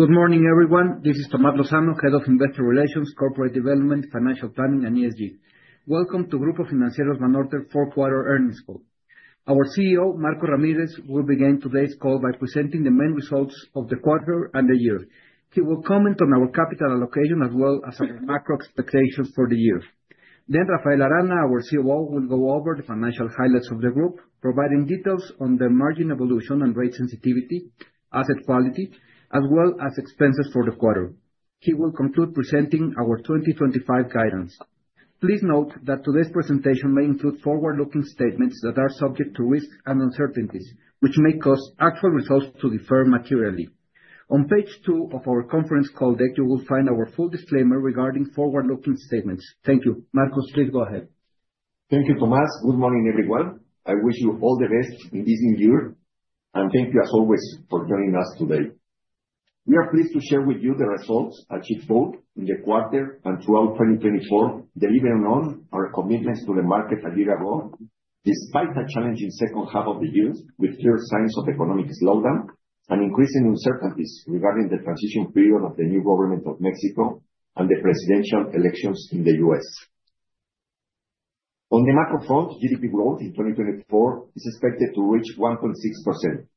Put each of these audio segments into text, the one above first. Good morning, everyone. This is Tomás Lozano, Head of Investor Relations, Corporate Development, Financial Planning, and ESG. Welcome to Grupo Financiero Banorte Fourth Quarter Earnings Call. Our CEO, Marcos Ramírez, will begin today's call by presenting the main results of the quarter and the year. He will comment on our capital allocation as well as our macro expectations for the year. Then Rafael Arana, our COO, will go over the financial highlights of the group, providing details on the margin evolution and rate sensitivity, asset quality, as well as expenses for the quarter. He will conclude presenting our 2025 guidance. Please note that today's presentation may include forward-looking statements that are subject to risks and uncertainties, which may cause actual results to differ materially. On page two of our conference call deck, you will find our full disclaimer regarding forward-looking statements. Thank you. Marcos, please go ahead. Thank you, Tomás. Good morning, everyone. I wish you all the best in this new year, and thank you, as always, for joining us today. We are pleased to share with you the results achieved both in the quarter and throughout 2024, delivering on our commitments to the market a year ago, despite a challenging second half of the year with clear signs of economic slowdown and increasing uncertainties regarding the transition period of the new government of Mexico and the presidential elections in the U.S. On the macro front, GDP growth in 2024 is expected to reach 1.6%.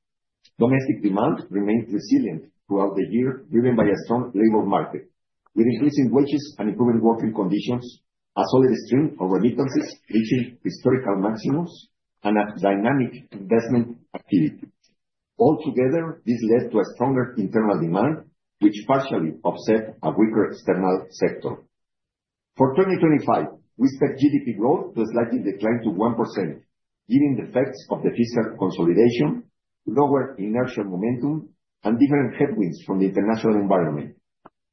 Domestic demand remains resilient throughout the year, driven by a strong labor market, with increasing wages and improving working conditions, a solid stream of remittances reaching historical maximums, and a dynamic investment activity. Altogether, this led to a stronger internal demand, which partially offset a weaker external sector. For 2025, we expect GDP growth to slightly decline to 1%, given the effects of the fiscal consolidation, lower inertia momentum, and different headwinds from the international environment.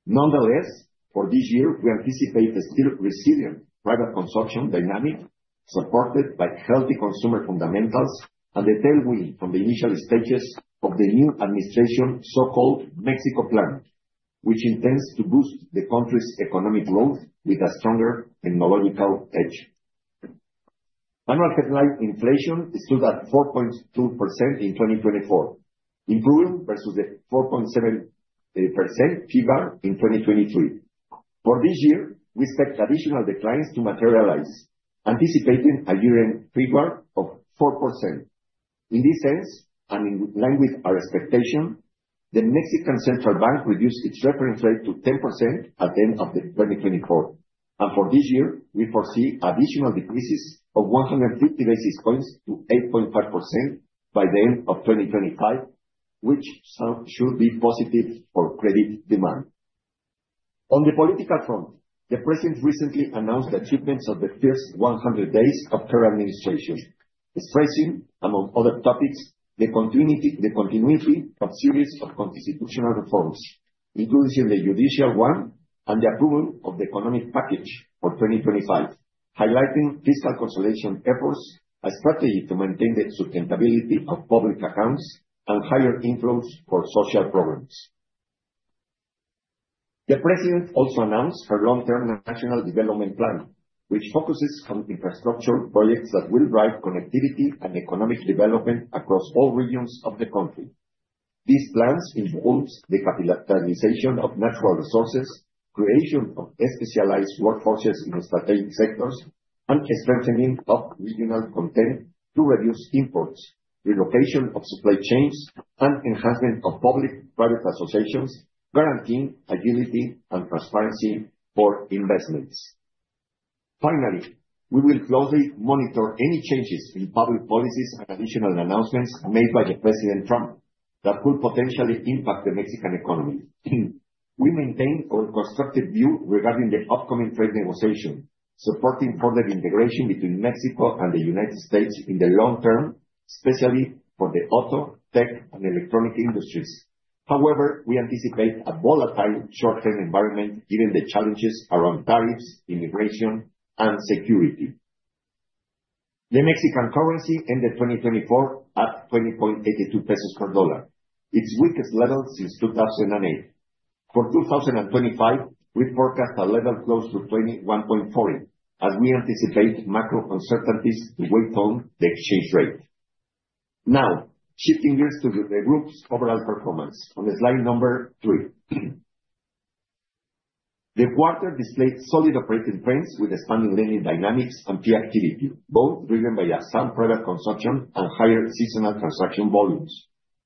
Nonetheless, for this year, we anticipate a still resilient private consumption dynamic supported by healthy consumer fundamentals and the tailwind from the initial stages of the new administration's so-called Mexico Plan, which intends to boost the country's economic growth with a stronger technological edge. Annual headline inflation stood at 4.2% in 2024, improving versus the 4.7% figure in 2023. For this year, we expect additional declines to materialize, anticipating a year-end figure of 4%. In this sense, and in line with our expectation, the Mexican Central Bank reduced its reference rate to 10% at the end of 2024. For this year, we foresee additional decreases of 150 basis points to 8.5% by the end of 2025, which should be positive for credit demand. On the political front, the president recently announced the achievements of the first 100 days of the current administration, stressing, among other topics, the continuity of a series of constitutional reforms, including the judicial one and the approval of the economic package for 2025, highlighting fiscal consolidation efforts, a strategy to maintain the sustainability of public accounts, and higher influence for social programs. The president also announced her long-term national development plan, which focuses on infrastructure projects that will drive connectivity and economic development across all regions of the country. These plans involve the capitalization of natural resources, creation of specialized workforces in strategic sectors, and strengthening of regional content to reduce imports, relocation of supply chains, and enhancement of public-private associations, guaranteeing agility and transparency for investments. Finally, we will closely monitor any changes in public policies and additional announcements made by President Trump that could potentially impact the Mexican economy. We maintain our constructive view regarding the upcoming trade negotiations, supporting further integration between Mexico and the United States in the long term, especially for the auto, tech, and electronic industries. However, we anticipate a volatile short-term environment given the challenges around tariffs, immigration, and security. The Mexican currency ended 2024 at 20.82 pesos per $1, its weakest level since 2008. For 2025, we forecast a level close to 21.40, as we anticipate macro uncertainties to weigh down the exchange rate. Now, shifting gears to the group's overall performance. On slide number three, the quarter displayed solid operating trends with expanding lending dynamics and peak activity, both driven by some private consumption and higher seasonal transaction volumes.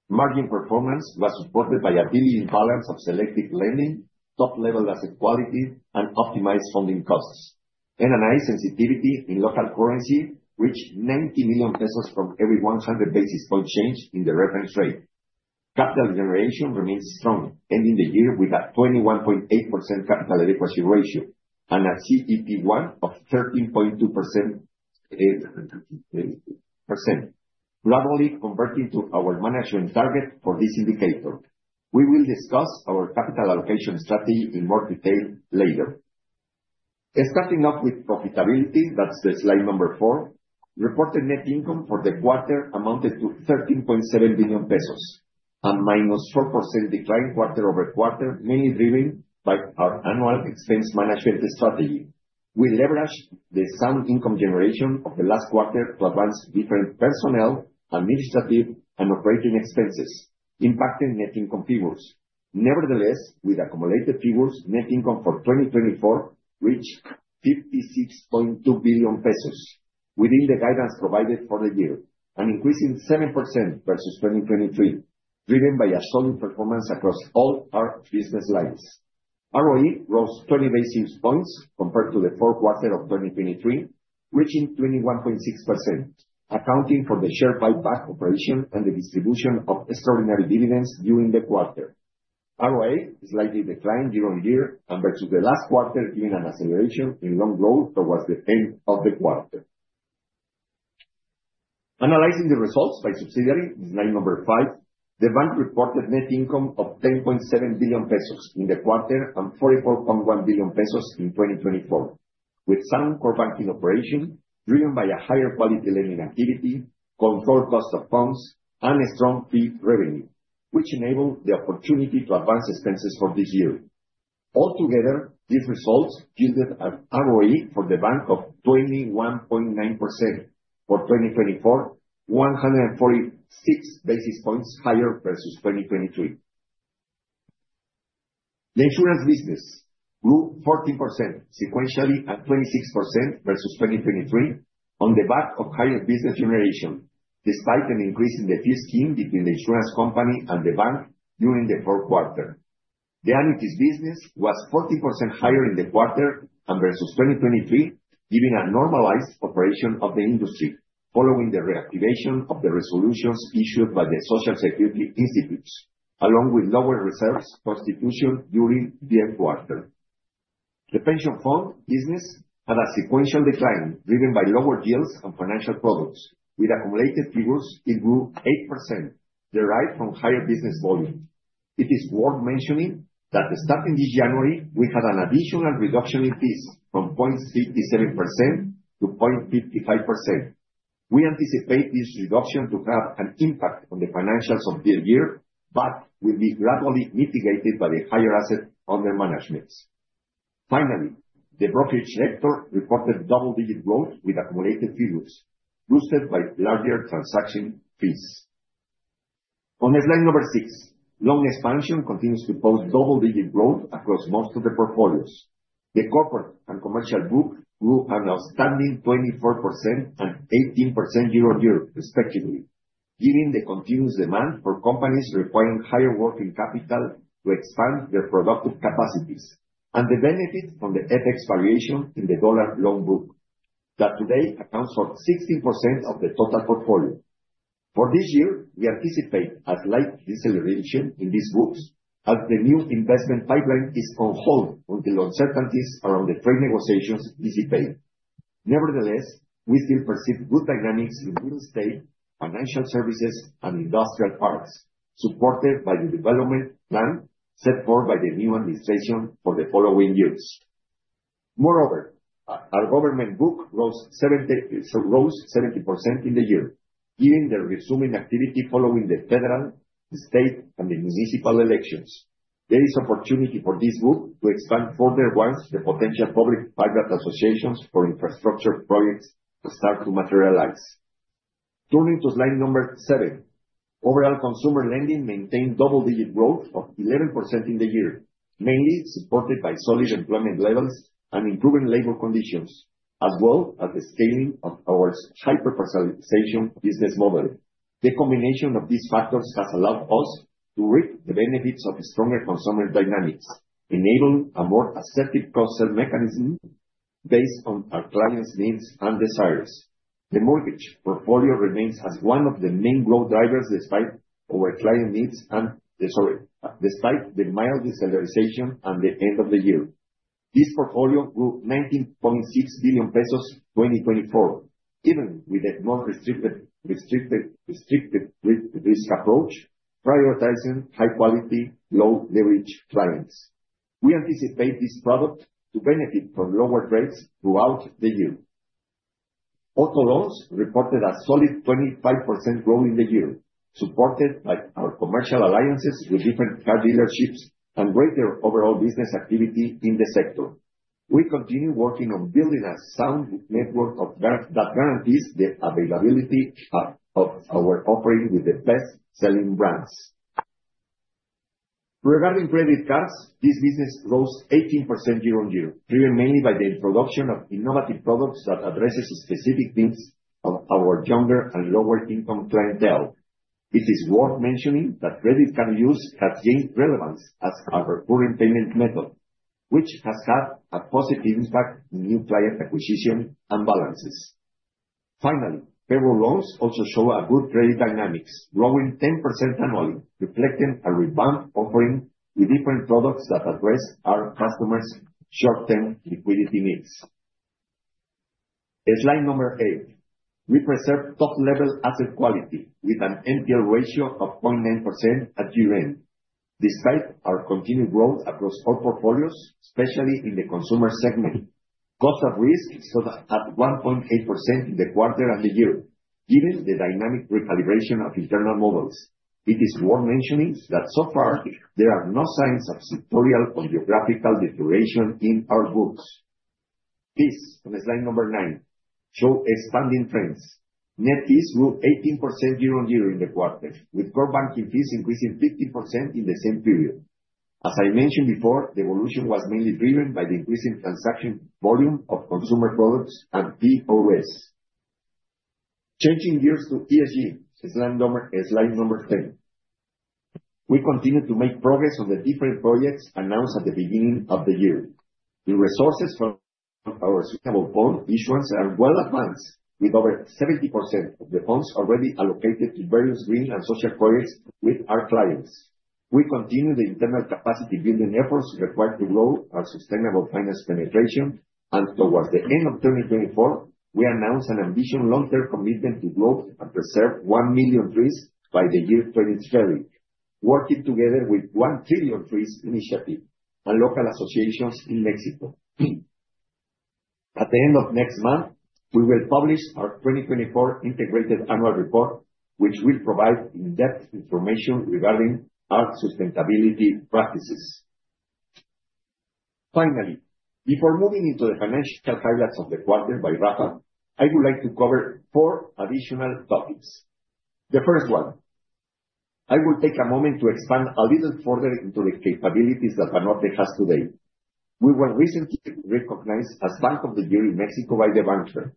Margin performance was supported by a delay in balance of selective lending, top-level asset quality, and optimized funding costs. NII sensitivity in local currency reached 90 million pesos from every 100 basis point change in the reference rate. Capital generation remains strong, ending the year with a 21.8% capital adequacy ratio and a CET1 of 13.2%, gradually converting to our management target for this indicator. We will discuss our capital allocation strategy in more detail later. Starting off with profitability, that's slide number four, reported net income for the quarter amounted to 13.7 billion pesos, a -4% decline quarter-over-quarter, mainly driven by our annual expense management strategy. We leveraged the sound income generation of the last quarter to advance different personnel, administrative, and operating expenses, impacting net income figures. Nevertheless, with accumulated figures, net income for 2024 reached 56.2 billion pesos within the guidance provided for the year, an increase in 7% versus 2023, driven by solid performance across all our business lines. ROE rose 20 basis points compared to the fourth quarter of 2023, reaching 21.6%, accounting for the share buyback operation and the distribution of extraordinary dividends during the quarter. ROA slightly declined year-on-year versus the last quarter, giving an acceleration in loan growth towards the end of the quarter. Analyzing the results by subsidiary, slide number five, the bank reported net income of 10.7 billion pesos in the quarter and 44.1 billion pesos in 2024, with sound core banking operation driven by a higher quality lending activity, controlled cost of funds, and strong fee revenue, which enabled the opportunity to advance expenses for this year. Altogether, these results yielded an ROE for the bank of 21.9% for 2024, 146 basis points higher versus 2023. The Insurance business grew 14% sequentially and 26% versus 2023 on the back of higher business generation, despite an increase in the fee scheme between the insurance company and the bank during the fourth quarter. The Annuities business was 14% higher in the quarter and versus 2023, giving a normalized operation of the industry following the reactivation of the resolutions issued by the Social Security Institutes, along with lower reserves constitution during the quarter. The Pension Fund business had a sequential decline driven by lower yields and financial products. With accumulated figures, it grew 8%, derived from higher business volume. It is worth mentioning that starting this January, we had an additional reduction in fees from 0.57%-0.55%. We anticipate this reduction to have an impact on the financials of the year, but will be gradually mitigated by the higher asset under management. Finally, the brokerage sector reported double-digit growth with accumulated figures, boosted by larger transaction fees. On slide number six, loan expansion continues to post double-digit growth across most of the portfolios. The corporate and commercial book grew an outstanding 24% and 18% year-on-year, respectively, giving the continuous demand for companies requiring higher working capital to expand their productive capacities, and the benefit from the FX variation in the dollar loan book that today accounts for 16% of the total portfolio. For this year, we anticipate a slight deceleration in these books as the new investment pipeline is on hold on the uncertainties around the trade negotiations this year. Nevertheless, we still perceive good dynamics in real estate, financial services, and industrial parks, supported by the development plan set forth by the new administration for the following years. Moreover, our government book rose 70% in the year, given the resuming activity following the federal, the state, and the municipal elections. There is opportunity for this book to expand further once the potential public-private associations for infrastructure projects start to materialize. Turning to slide number seven, overall consumer lending maintained double-digit growth of 11% in the year, mainly supported by solid employment levels and improving labor conditions, as well as the scaling of our hyper-personalization business model. The combination of these factors has allowed us to reap the benefits of stronger consumer dynamics, enabling a more assertive cross-sell mechanism based on our clients' needs and desires. The mortgage portfolio remains one of the main growth drivers despite our clients' needs and despite the mild deceleration at the end of the year. This portfolio grew 19.6 billion pesos in 2024, even with a more restrictive risk approach, prioritizing high-quality, low-leverage clients. We anticipate this product to benefit from lower rates throughout the year. Auto loans reported a solid 25% growth in the year, supported by our commercial alliances with different car dealerships and greater overall business activity in the sector. We continue working on building a sound network that guarantees the availability of our offering with the best-selling brands. Regarding credit cards, this business rose 18% year-on-year, driven mainly by the introduction of innovative products that address specific needs of our younger and lower-income clientele. It is worth mentioning that credit card use has gained relevance as our current payment method, which has had a positive impact on new client acquisition and balances. Finally, payroll loans also show good credit dynamics, growing 10% annually, reflecting a revamped offering with different products that address our customers' short-term liquidity needs. Slide number eight, we preserve top-level asset quality with an NPL ratio of 0.9% at year-end. Despite our continued growth across all portfolios, especially in the consumer segment, cost of risk stood at 1.8% in the quarter and the year, given the dynamic recalibration of internal models. It is worth mentioning that so far, there are no signs of sectoral or geographical deterioration in our books. Fees, on slide number nine, show expanding trends. Net fees grew 18% year-on-year in the quarter, with core banking fees increasing 15% in the same period. As I mentioned before, the evolution was mainly driven by the increasing transaction volume of consumer products and POS. Changing gears to ESG, slide number ten, we continue to make progress on the different projects announced at the beginning of the year. The resources from our sustainable bond issuance are well advanced, with over 70% of the funds already allocated to various green and social projects with our clients. We continue the internal capacity-building efforts required to grow our sustainable finance penetration, and toward the end of 2024, we announced an ambitious long-term commitment to grow and preserve 1 million trees by the year 2030, working together with 1 Trillion Trees Initiative and local associations in Mexico. At the end of next month, we will publish our 2024 integrated annual report, which will provide in-depth information regarding our sustainability practices. Finally, before moving into the financial highlights of the quarter by Rafa, I would like to cover four additional topics. The first one, I will take a moment to expand a little further into the capabilities that Banorte has today. We were recently recognized as Bank of the Year in Mexico by The Banker.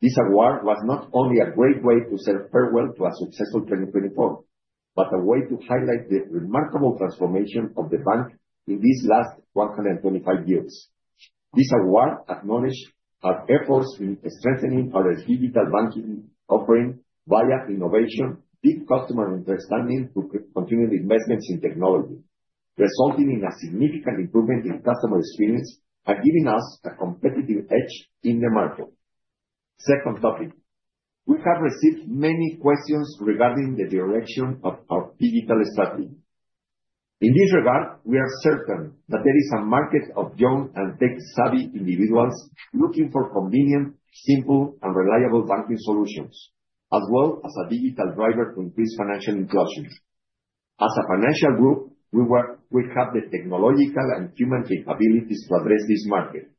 This award was not only a great way to say farewell to a successful 2024, but a way to highlight the remarkable transformation of the bank in these last 125 years. This award acknowledged our efforts in strengthening our digital banking offering via innovation, deep customer understanding to continue the investments in technology, resulting in a significant improvement in customer experience and giving us a competitive edge in the market. Second topic, we have received many questions regarding the direction of our digital strategy. In this regard, we are certain that there is a market of young and tech-savvy individuals looking for convenient, simple, and reliable banking solutions, as well as a digital driver to increase financial inclusion. As a financial group, we have the technological and human capabilities to address this market,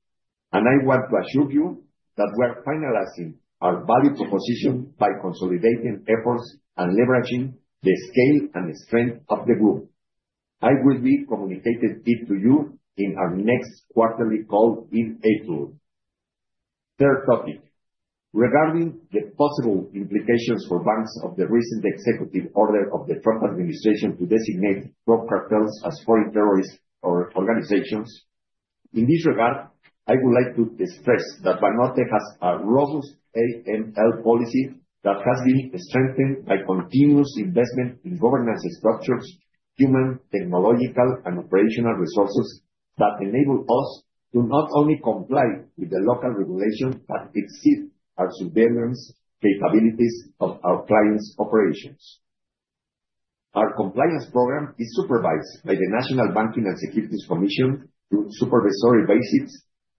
and I want to assure you that we are finalizing our value proposition by consolidating efforts and leveraging the scale and strength of the group. I will be communicating it to you in our next quarterly call in April. Third topic, regarding the possible implications for banks of the recent executive order of the Trump administration to designate drug cartels as foreign terrorist organizations. In this regard, I would like to stress that Banorte has a robust AML policy that has been strengthened by continuous investment in governance structures, human, technological, and operational resources that enable us to not only comply with the local regulation but exceed our surveillance capabilities of our clients' operations. Our compliance program is supervised by the National Banking and Securities Commission through supervisory visits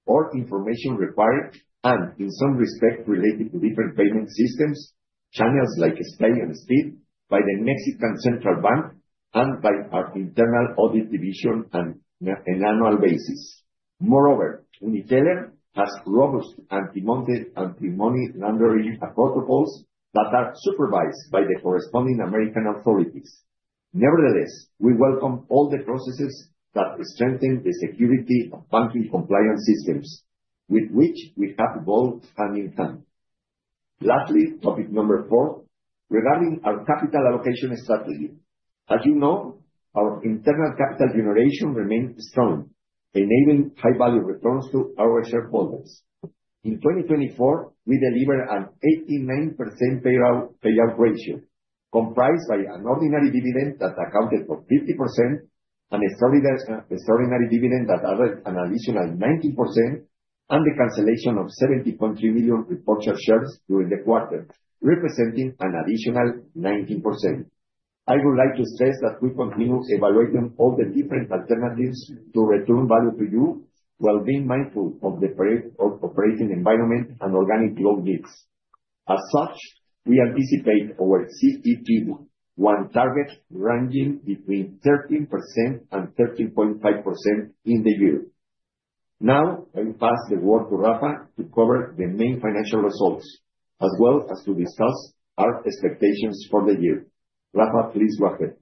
or information required and, in some respects, related to different payment systems, channels like SPEI and SPID, by the Mexican Central Bank and by our internal audit division on an annual basis. Moreover, UniTeller has robust anti-money laundering protocols that are supervised by the corresponding American authorities. Nevertheless, we welcome all the processes that strengthen the security of banking compliance systems, with which we have evolved hand in hand. Lastly, topic number four, regarding our capital allocation strategy. As you know, our internal capital generation remains strong, enabling high-value returns to our shareholders. In 2024, we deliver an 89% payout ratio, comprised by an ordinary dividend that accounted for 50%, an extraordinary dividend that added an additional 19%, and the cancellation of 70.3 million repurchased shares during the quarter, representing an additional 19%. I would like to stress that we continue evaluating all the different alternatives to return value to you while being mindful of the operating environment and organic growth needs. As such, we anticipate our CET1 target ranging between 13% and 13.5% in the year. Now, I will pass the word to Rafa to cover the main financial results, as well as to discuss our expectations for the year. Rafa, please go ahead.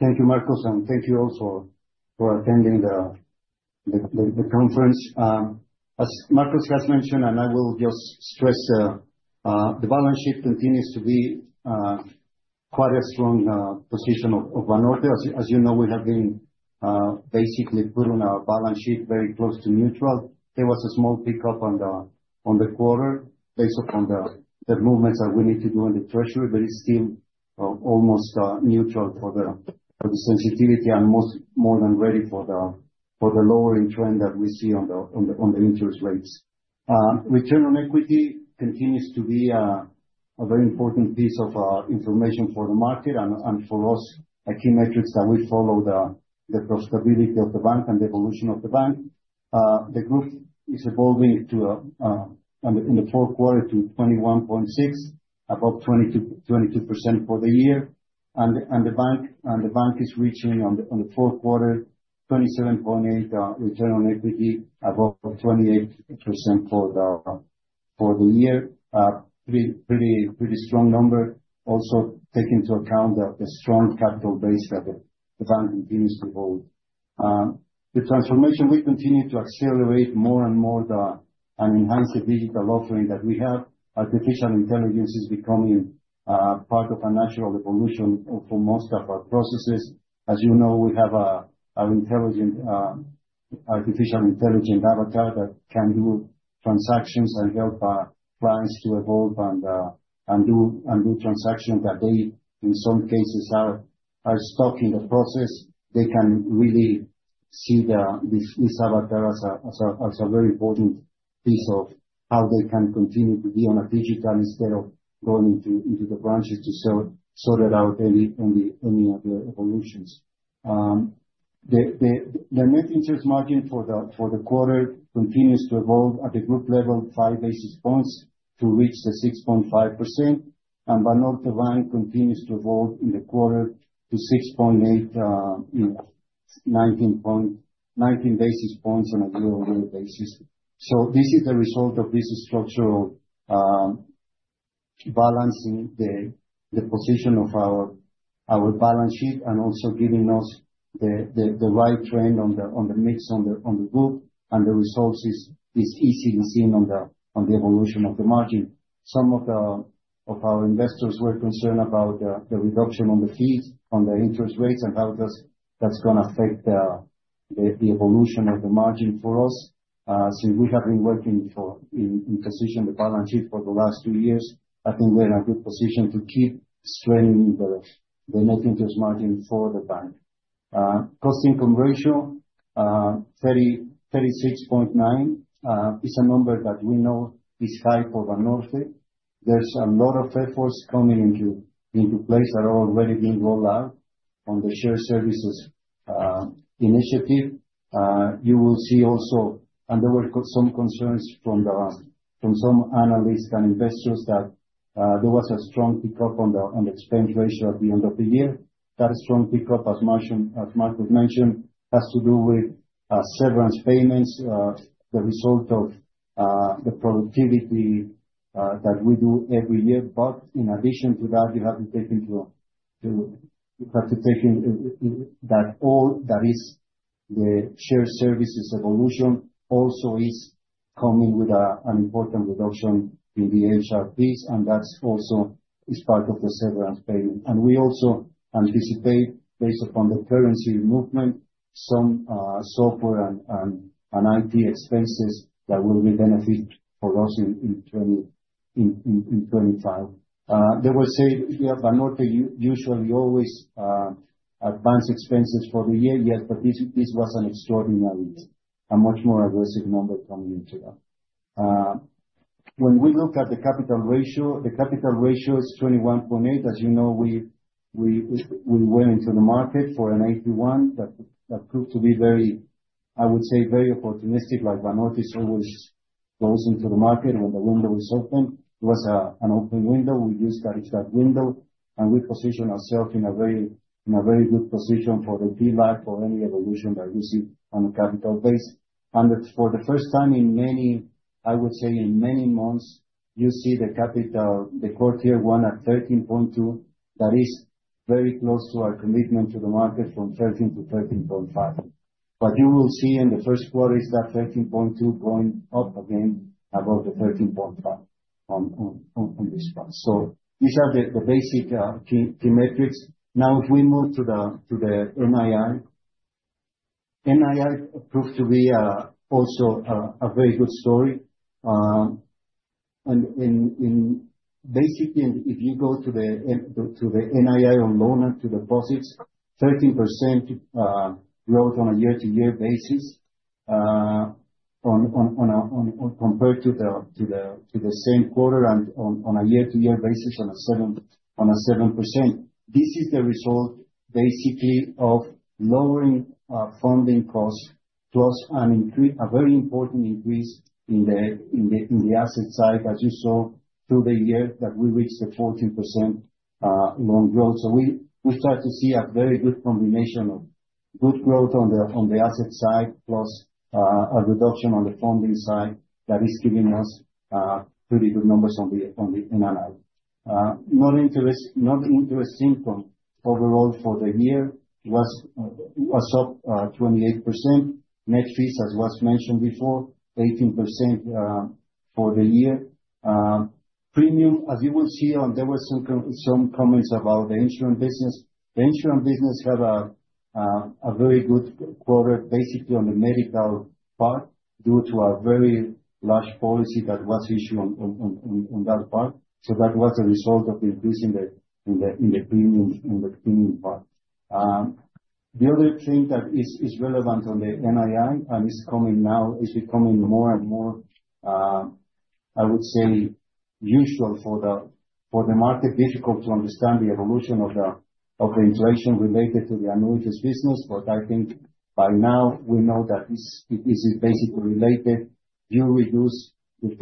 Thank you, Marcos, and thank you also for attending the conference. As Marcos has mentioned, and I will just stress, the balance sheet continues to be quite a strong position of Banorte. As you know, we have been basically putting our balance sheet very close to neutral. There was a small pickup on the quarter based upon the movements that we need to do in the treasury, but it's still almost neutral for the sensitivity and more than ready for the lowering trend that we see on the interest rates. Return on equity continues to be a very important piece of information for the market and for us, a key metric that we follow the stability of the bank and the evolution of the bank. The group is evolving in the fourth quarter to 21.6%, about 22% for the year, and the bank is reaching in the fourth quarter 27.8% return on equity, about 28% for the year. Pretty strong number, also taking into account the strong capital base that the bank continues to hold. The transformation, we continue to accelerate more and more and enhance the digital offering that we have. Artificial intelligence is becoming part of a natural evolution for most of our processes. As you know, we have our intelligent artificial intelligence avatar that can do transactions and help clients to evolve and do transactions that they, in some cases, are stuck in the process. They can really see this avatar as a very important piece of how they can continue to be on a digital instead of going into the branches to sort it out, any of the evolutions. The net interest margin for the quarter continues to evolve at the group level, five basis points to reach the 6.5%, and Banorte Bank continues to evolve in the quarter to 6.8%, 19 basis points on a year-on-year basis. So this is the result of this structural balancing, the position of our balance sheet, and also giving us the right trend on the mix on the group, and the results is easily seen on the evolution of the margin. Some of our investors were concerned about the reduction on the fees, on the interest rates, and how that's going to affect the evolution of the margin for us. Since we have been working in position, the balance sheet for the last two years, I think we're in a good position to keep strengthening the net interest margin for the bank. Cost-income ratio 36.9% is a number that we know is high for Banorte. There's a lot of efforts coming into place that are already being rolled out on the shared services initiative. You will see also, and there were some concerns from some analysts and investors that there was a strong pickup on the expense ratio at the end of the year. That strong pickup, as Marcos mentioned, has to do with severance payments, the result of the productivity that we do every year. But in addition to that, you have to take into account that all that is the shared services evolution also is coming with an important reduction in the HR fees, and that also is part of the severance payment. We also anticipate, based upon the currency movement, some software and IT expenses that will be beneficial for us in 2025. They will say Banorte usually always advances expenses for the year, yes, but this was an extraordinary and much more aggressive number coming into that. When we look at the capital ratio, the capital ratio is 21.8. As you know, we went into the market for an 8.1 that proved to be very, I would say, very opportunistic. Like Banorte always goes into the market when the window is open. It was an open window. We used that window, and we positioned ourselves in a very good position for the TLAC or any evolution that we see on the capital base. For the first time in many, I would say, in many months, you see the Tier 1 at 13.2. That is very close to our commitment to the market from 13-13.5. But you will see in the first quarter is that 13.2 going up again about to 13.5 on this one. So these are the basic key metrics. Now, if we move to the NII, NII proved to be also a very good story. Basically, if you go to the NII on loan and to deposits, 13% growth on a year-to-year basis compared to the same quarter and on a year-to-year basis on a 7%. This is the result, basically, of lowering funding costs plus a very important increase in the asset side, as you saw through the year that we reached the 14% loan growth. So we start to see a very good combination of good growth on the asset side plus a reduction on the funding side that is giving us pretty good numbers on the NII. Non-interest income overall for the year was up 28%. Net fees, as was mentioned before, 18% for the year. Premium, as you will see, there were some comments about the Insurance business. The Insurance business had a very good quarter, basically on the medical part, due to a very large policy that was issued on that part. So that was the result of increasing the premium part. The other thing that is relevant on the NII and is coming now is becoming more and more, I would say, usual for the market, difficult to understand the evolution of the inflation related to the Annuities business. But I think by now we know that this is basically related. You reduce the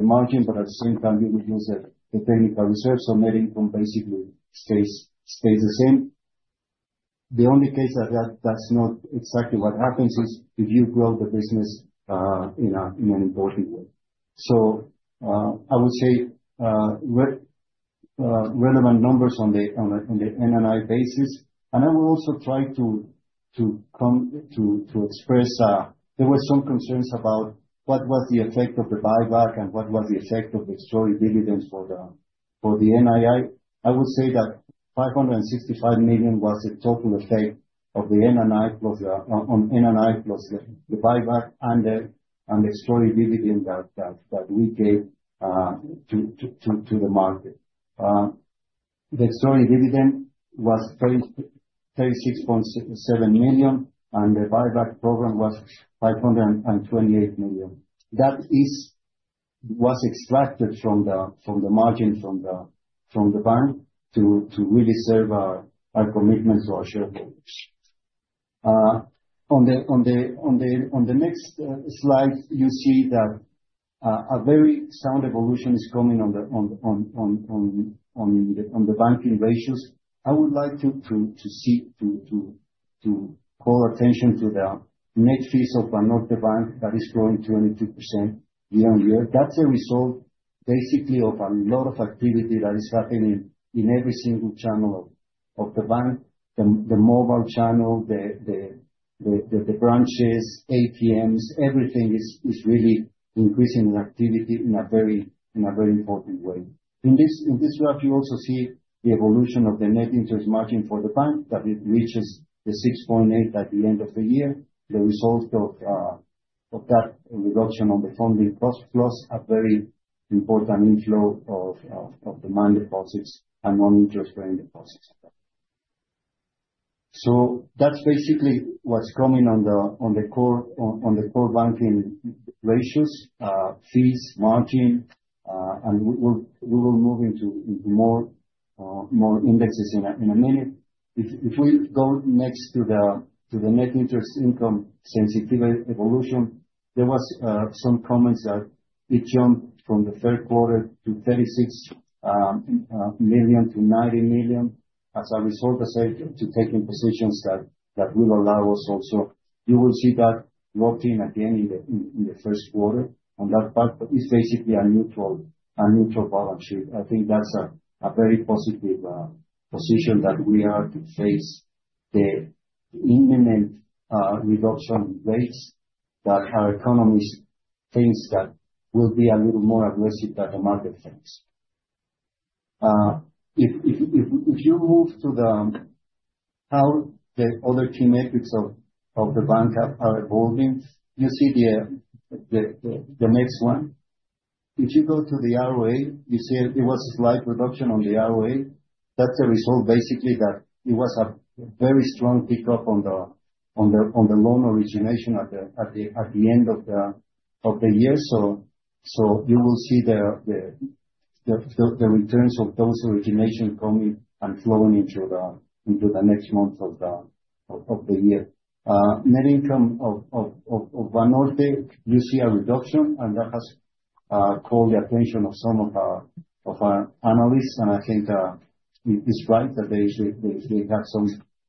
margin, but at the same time, you reduce the technical reserve. So net income basically stays the same. The only case that that's not exactly what happens is if you grow the business in an important way. I would say relevant numbers on the NII basis. I will also try to express there were some concerns about what was the effect of the buyback and what was the effect of the extraordinary dividends for the NII. I would say that 565 million was the total effect of the NII plus the buyback and the extraordinary dividend that we gave to the market. The extraordinary dividend was 36.7 million, and the buyback program was 528 million. That was extracted from the margin from the bank to really serve our commitment to our shareholders. On the next slide, you see that a very sound evolution is coming on the banking ratios. I would like to call attention to the net fees of Banorte Bank that is growing 22% year-on-year. That's a result, basically, of a lot of activity that is happening in every single channel of the bank, the mobile channel, the branches, ATMs. Everything is really increasing in activity in a very important way. In this graph, you also see the evolution of the net interest margin for the bank that reaches the 6.8% at the end of the year, the result of that reduction on the funding cost plus a very important inflow of demand deposits and non-interest-bearing deposits. So that's basically what's coming on the core banking ratios, fees, margin, and we will move into more indexes in a minute. If we go next to the net interest income sensitivity evolution, there were some comments that it jumped from the third quarter to 36 million to 90 million as a result, as I said, to taking positions that will allow us also. You will see that lock-in again in the first quarter on that part. It's basically a neutral balance sheet. I think that's a very positive position that we are to face the imminent reduction in rates that our economist thinks that will be a little more aggressive than the market thinks. If you move to how the other key metrics of the bank are evolving, you see the next one. If you go to the ROA, you see it was a slight reduction on the ROA. That's a result, basically, that it was a very strong pickup on the loan origination at the end of the year. So you will see the returns of those originations coming and flowing into the next month of the year. Net income of Banorte, you see a reduction, and that has called the attention of some of our analysts. I think it's right that they have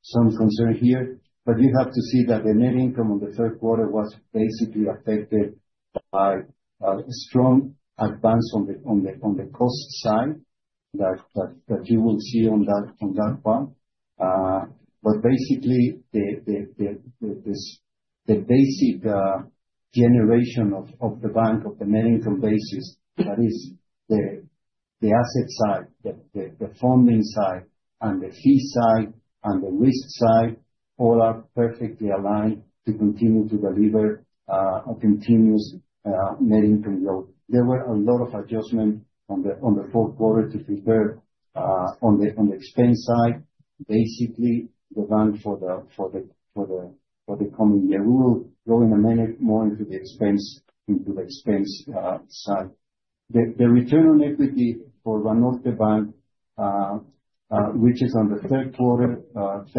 some concern here. You have to see that the net income on the third quarter was basically affected by a strong advance on the cost side that you will see on that part. Basically, the basic generation of the bank, of the net income basis, that is the asset side, the funding side, and the fee side, and the risk side all are perfectly aligned to continue to deliver a continuous net income growth. There were a lot of adjustments on the fourth quarter to prepare on the expense side. Basically, the bank for the coming year. We will go in a minute more into the expense side. The return on equity for Banorte Bank reaches on the third quarter 31%,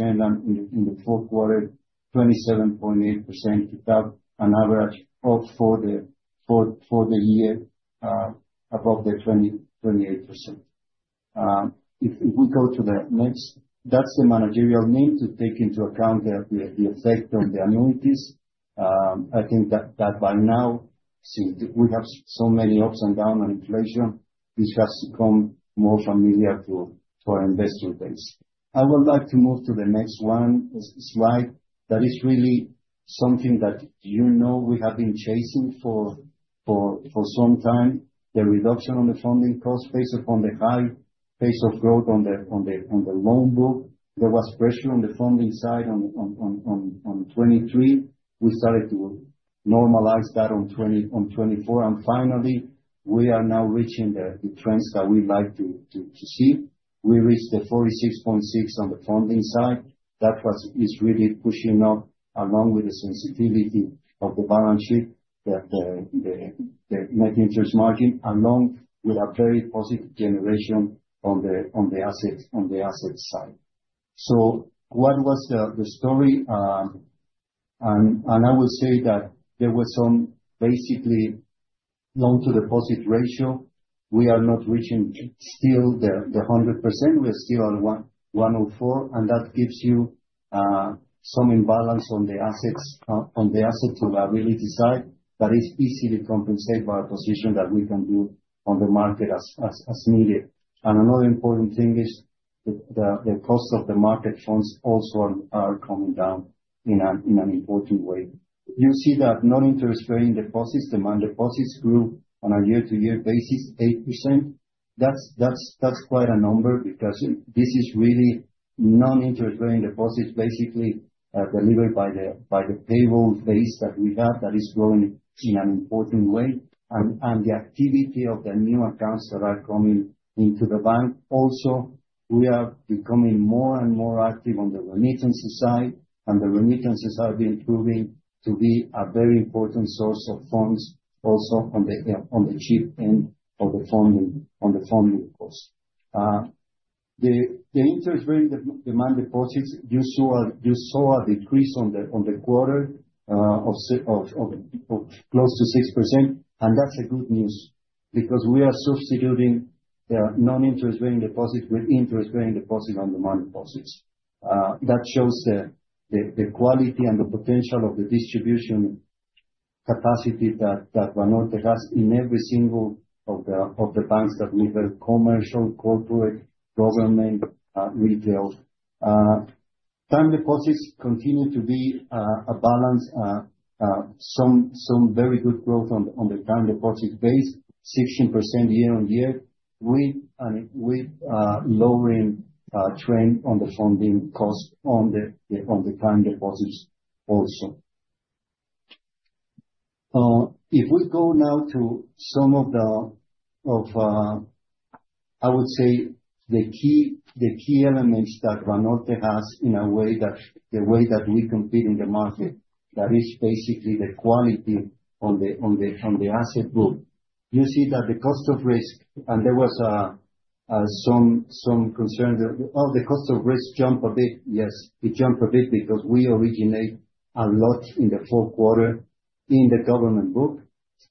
and in the fourth quarter, 27.8%, to have an average up for the year above the 28%. If we go to the next, that's the managerial need to take into account the effect on the annuities. I think that by now, since we have so many ups and downs on inflation, this has become more familiar to our investor base. I would like to move to the next one slide. That is really something that you know we have been chasing for some time, the reduction on the funding cost based upon the high pace of growth on the loan book. There was pressure on the funding side on 2023. We started to normalize that on 2024. And finally, we are now reaching the trends that we like to see. We reached the 46.6 on the funding side. That is really pushing up along with the sensitivity of the balance sheet, the net interest margin, along with a very positive generation on the asset side. So what was the story? And I will say that there was some basically loan-to-deposit ratio. We are not reaching still the 100%. We are still at 104%. And that gives you some imbalance on the assets to really decide that is easily compensated by a position that we can do on the market as needed. And another important thing is the cost of the market funds also are coming down in an important way. You see that non-interest-bearing deposits, demand deposits, grew on a year-to-year basis, 8%. That's quite a number because this is really non-interest-bearing deposits, basically delivered by the payroll base that we have that is growing in an important way. And the activity of the new accounts that are coming into the bank. Also, we are becoming more and more active on the remittances side, and the remittances are improving to be a very important source of funds also on the cheap end of the funding cost. The interest-bearing demand deposits, you saw a decrease on the quarter of close to 6%. And that's good news because we are substituting the non-interest-bearing deposits with interest-bearing deposits on demand deposits. That shows the quality and the potential of the distribution capacity that Banorte has in every single of the banks that we have, commercial, corporate, government, retail. Time deposits continue to be a balance, some very good growth on the time deposit base, 16% year-on-year, with a lowering trend on the funding cost on the time deposits also. If we go now to some of the, I would say, the key elements that Banorte has in a way that we compete in the market, that is basically the quality on the asset book. You see that the cost of risk, and there was some concern. Oh, the cost of risk jumped a bit. Yes, it jumped a bit because we originate a lot in the fourth quarter in the government book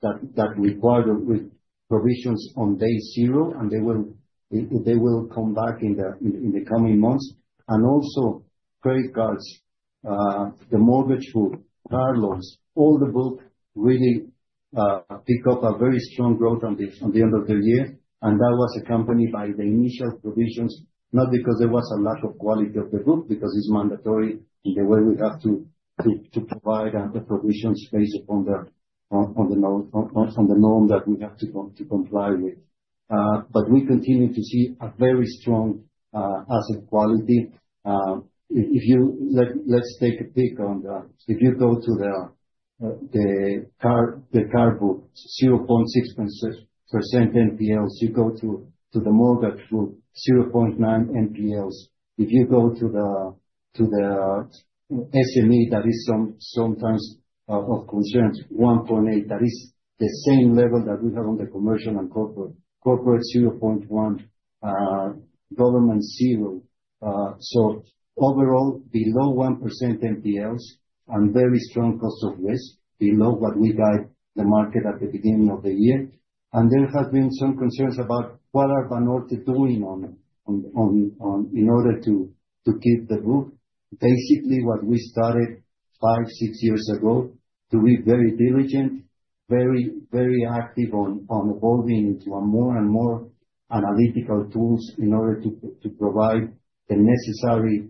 that required provisions on day zero, and they will come back in the coming months. And also, credit cards, the mortgage book, car loans, all the book really picked up a very strong growth on the end of the year. That was accompanied by the initial provisions, not because there was a lack of quality of the book because it's mandatory in the way we have to provide the provisions based upon the norm that we have to comply with. But we continue to see a very strong asset quality. Let's take a peek. If you go to the car book, 0.6% NPLs. You go to the mortgage book, 0.9% NPLs. If you go to the SME, that is sometimes of concern, 1.8%. That is the same level that we have on the commercial and corporate, 0.1%, government 0%. So overall, below 1% NPLs and very strong cost of risk, below what we guide the market at the beginning of the year. There have been some concerns about what Banorte is doing in order to keep the book. Basically, what we started five, six years ago to be very diligent, very active on evolving into more and more analytical tools in order to provide the necessary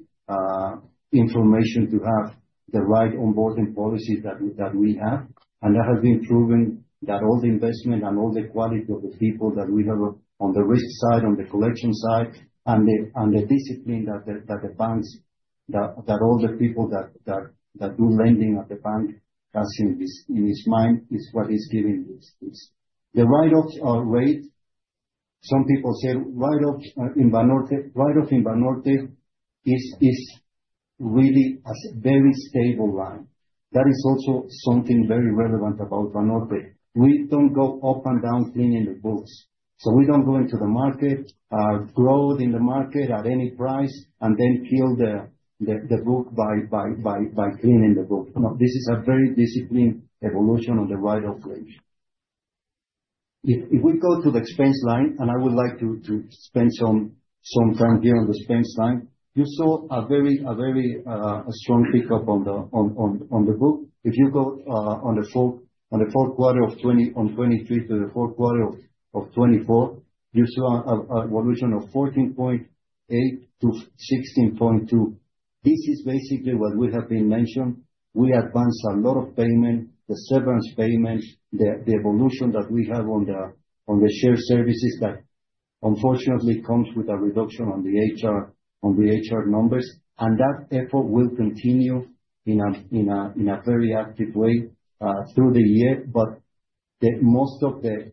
information to have the right onboarding policies that we have. And that has been proven that all the investment and all the quality of the people that we have on the risk side, on the collection side, and the discipline that the bank, that all the people that do lending at the bank has in his mind is what is giving this. The write-off rate, some people say write-off in Banorte is really a very stable line. That is also something very relevant about Banorte. We don't go up and down cleaning the books. So we don't go into the market, grow in the market at any price, and then kill the book by cleaning the book. This is a very disciplined evolution on the write-off range. If we go to the expense line, and I would like to spend some time here on the expense line, you saw a very strong pickup on the book. If you go on the fourth quarter of 2023 to the fourth quarter of 2024, you saw an evolution of 14.8%-16.2%. This is basically what we have been mentioning. We advance a lot of payment, the severance payment, the evolution that we have on the shared services that unfortunately comes with a reduction on the HR numbers. And that effort will continue in a very active way through the year. But most of the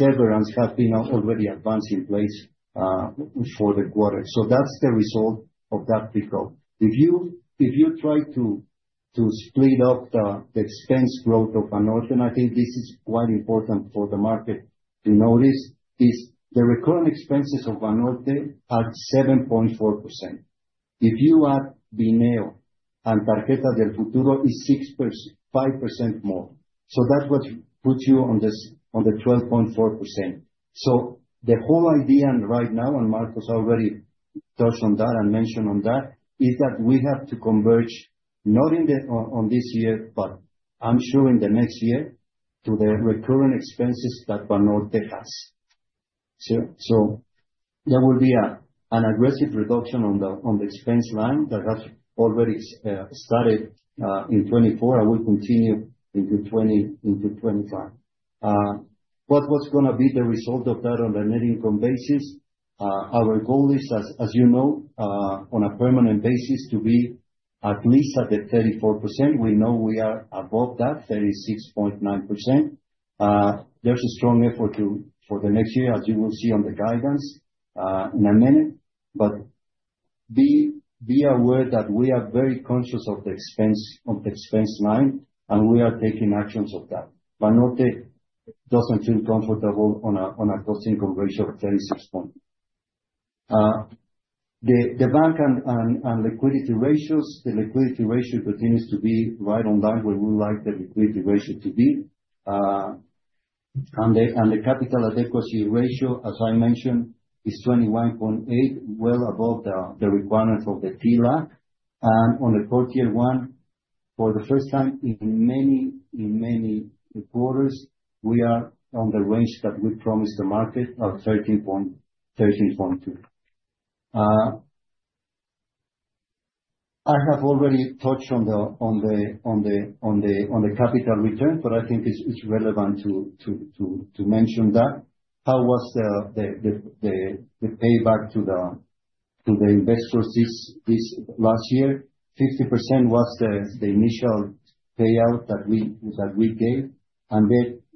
severance has been already advanced in place for the quarter. So that's the result of that pickup. If you try to split up the expense growth of Banorte, and I think this is quite important for the market to notice, is the recurrent expenses of Banorte at 7.4%. If you add Bineo and Tarjeta del Futuro, it's 5% more. So that's what puts you on the 12.4%. The whole idea right now, and Marcos already touched on that and mentioned on that, is that we have to converge, not on this year, but I'm sure in the next year, to the recurrent expenses that Banorte has. There will be an aggressive reduction on the expense line that has already started in 2024 and will continue into 2025. What was going to be the result of that on the net income basis? Our goal is, as you know, on a permanent basis, to be at least at the 34%. We know we are above that, 36.9%. There's a strong effort for the next year, as you will see on the guidance in a minute. But be aware that we are very conscious of the expense line, and we are taking actions on that. Banorte doesn't feel comfortable on a cost income ratio of 36%. The bank and liquidity ratios, the liquidity ratio continues to be right on line where we like the liquidity ratio to be. And the capital adequacy ratio, as I mentioned, is 21.8%, well above the requirements of the TLAC. And on the quarter one, for the first time in many quarters, we are on the range that we promised the market of 13.2%. I have already touched on the capital return, but I think it's relevant to mention that. How was the payback to the investors this last year? 50% was the initial payout that we gave. And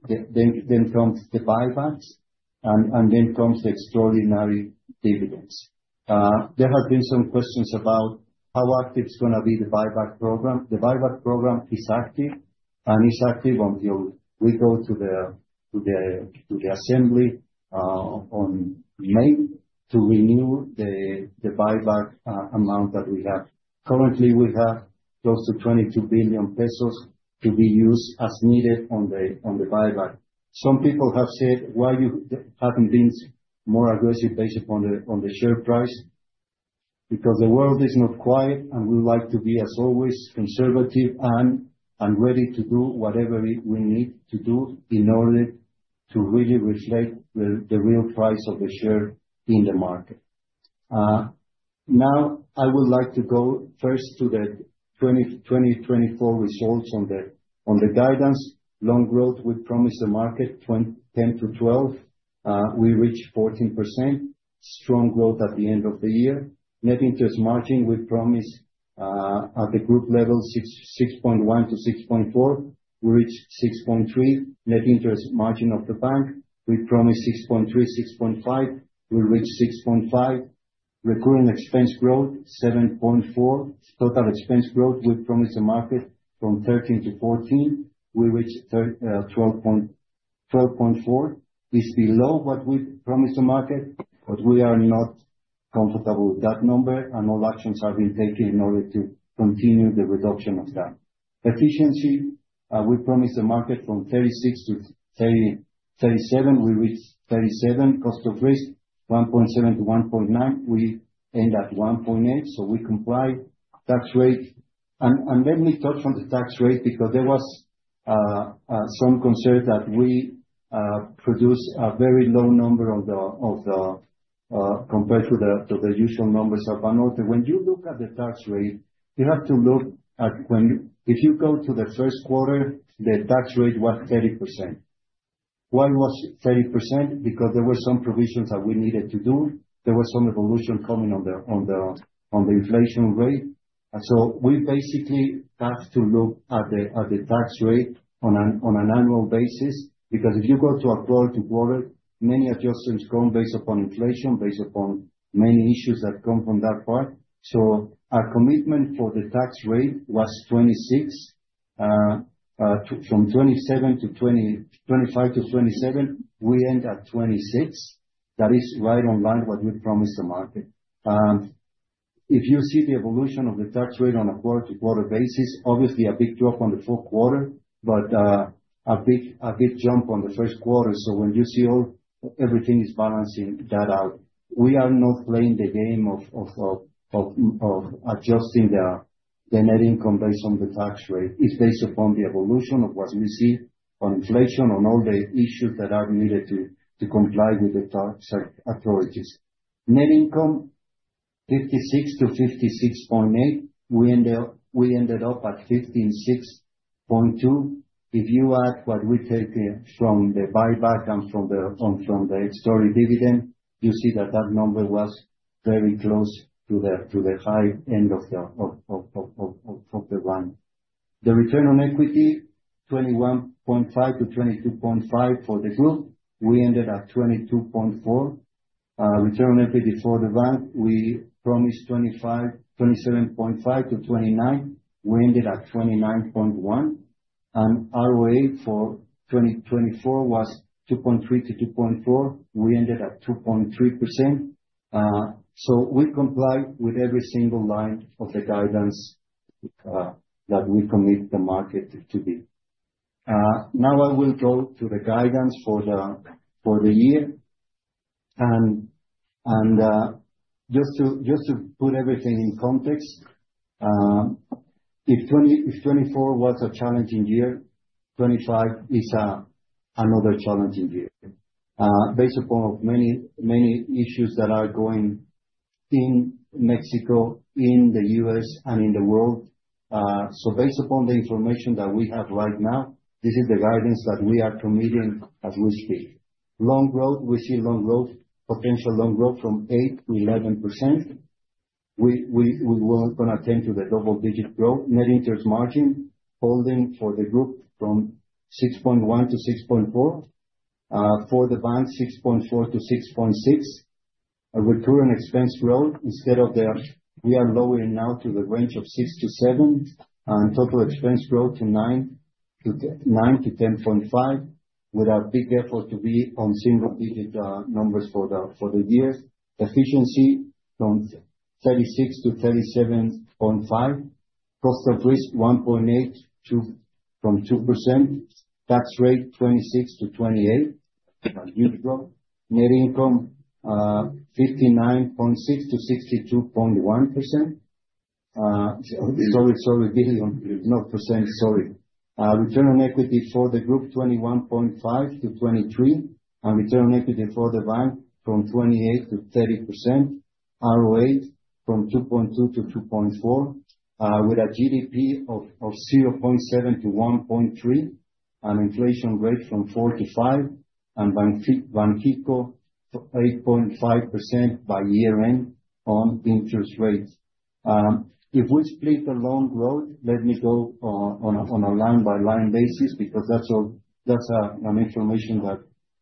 then comes the buybacks, and then comes the extraordinary dividends. There have been some questions about how active is going to be the buyback program. The buyback program is active, and it's active until we go to the assembly on May to renew the buyback amount that we have. Currently, we have close to 22 billion pesos to be used as needed on the buyback. Some people have said, "Why haven't you been more aggressive based upon the share price?" Because the world is not quiet, and we like to be, as always, conservative and ready to do whatever we need to do in order to really reflect the real price of the share in the market. Now, I would like to go first to the 2024 results on the guidance. Loan growth, we promised the market 10%-12%. We reached 14%, strong growth at the end of the year. Net interest margin, we promised at the group level, 6.1%-6.4%. We reached 6.3%. Net interest margin of the bank, we promised 6.3%-6.5%. We reached 6.5%. Recurring expense growth, 7.4%. Total expense growth, we promised the market 13%-14%. We reached 12.4%. It's below what we promised the market, but we are not comfortable with that number, and all actions have been taken in order to continue the reduction of that. Efficiency, we promised the market 36%-37%. We reached 37%. Cost of risk, 1.7%-1.9%. We end at 1.8%, so we comply. Tax rate, and let me touch on the tax rate because there was some concern that we produced a very low number compared to the usual numbers of Banorte. When you look at the tax rate, you have to look at when if you go to the first quarter, the tax rate was 30%. Why was it 30%? Because there were some provisions that we needed to do. There was some evolution coming on the inflation rate. So we basically have to look at the tax rate on an annual basis because if you go to a quarter-to-quarter, many adjustments come based upon inflation, based upon many issues that come from that part. So our commitment for the tax rate was 26%. From 27%-25%-27%, we end at 26%. That is right on line what we promised the market. If you see the evolution of the tax rate on a quarter-to-quarter basis, obviously a big drop on the fourth quarter, but a big jump on the first quarter. When you see everything is balancing that out, we are not playing the game of adjusting the net income based on the tax rate. It's based upon the evolution of what we see on inflation, on all the issues that are needed to comply with the tax authorities. Net income, 56-56.8. We ended up at 15.6. If you add what we take from the buyback and from the extraordinary dividend, you see that that number was very close to the high end of the run. The return on equity, 21.5%-22.5% for the group. We ended at 22.4%. Return on equity for the bank, we promised 27.5%-29%. We ended at 29.1%. ROA for 2024 was 2.3%-2.4%. We ended at 2.3%. We comply with every single line of the guidance that we commit the market to be. Now, I will go to the guidance for the year. And just to put everything in context, if 2024 was a challenging year, 2025 is another challenging year based upon many issues that are going on in Mexico, in the U.S., and in the world. So based upon the information that we have right now, this is the guidance that we are committing as we speak. Loan growth, we see loan growth, potential loan growth from 8%-11%. We weren't going to attend to the double-digit growth. Net interest margin, holding for the group from 6.1%-6.4%. For the bank, 6.4%-6.6%. Recurrent expense growth, instead of, we are lowering now to the range of 6%-7%. And total expense growth to 9%-10.5% with a big effort to be on single-digit numbers for the year. Efficiency from 36%-37.5%. Cost of risk 1.8% from 2%. Tax rate 26%-28%. Net income 59.6-62.1. Sorry, sorry, not percent, sorry. Return on equity for the group 21.5%-23%. Return on equity for the bank from 28%-30%. ROA from 2.2%-2.4% with a GDP of 0.7%-1.3%. Inflation rate from 4%-5%. Banxico 8.5% by year-end on interest rate. If we split the loan growth, let me go on a line-by-line basis because that's information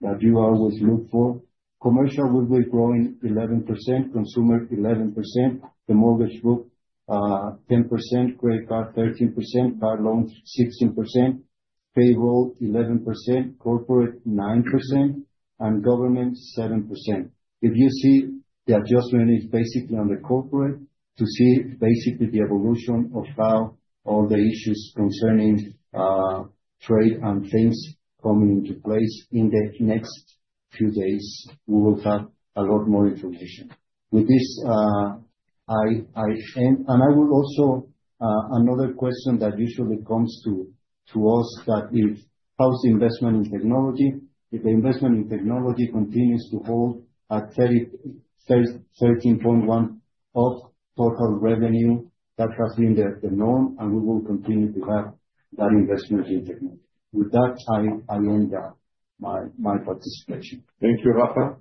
that you always look for. Commercial will be growing 11%. Consumer 11%. The mortgage group 10%. Credit card 13%. Car loans 16%. Payroll 11%. Corporate 9%. Government 7%. If you see the adjustment is basically on the corporate side, you see, basically the evolution of how all the issues concerning trade and things coming into place in the next few days, we will have a lot more information. With this, I end and I will also [address] another question that usually comes to us, that if our investment in technology, if the investment in technology continues to hold at 13.1% of total revenue, that has been the norm, and we will continue to have that investment in technology. With that, I end my participation. Thank you, Rafa.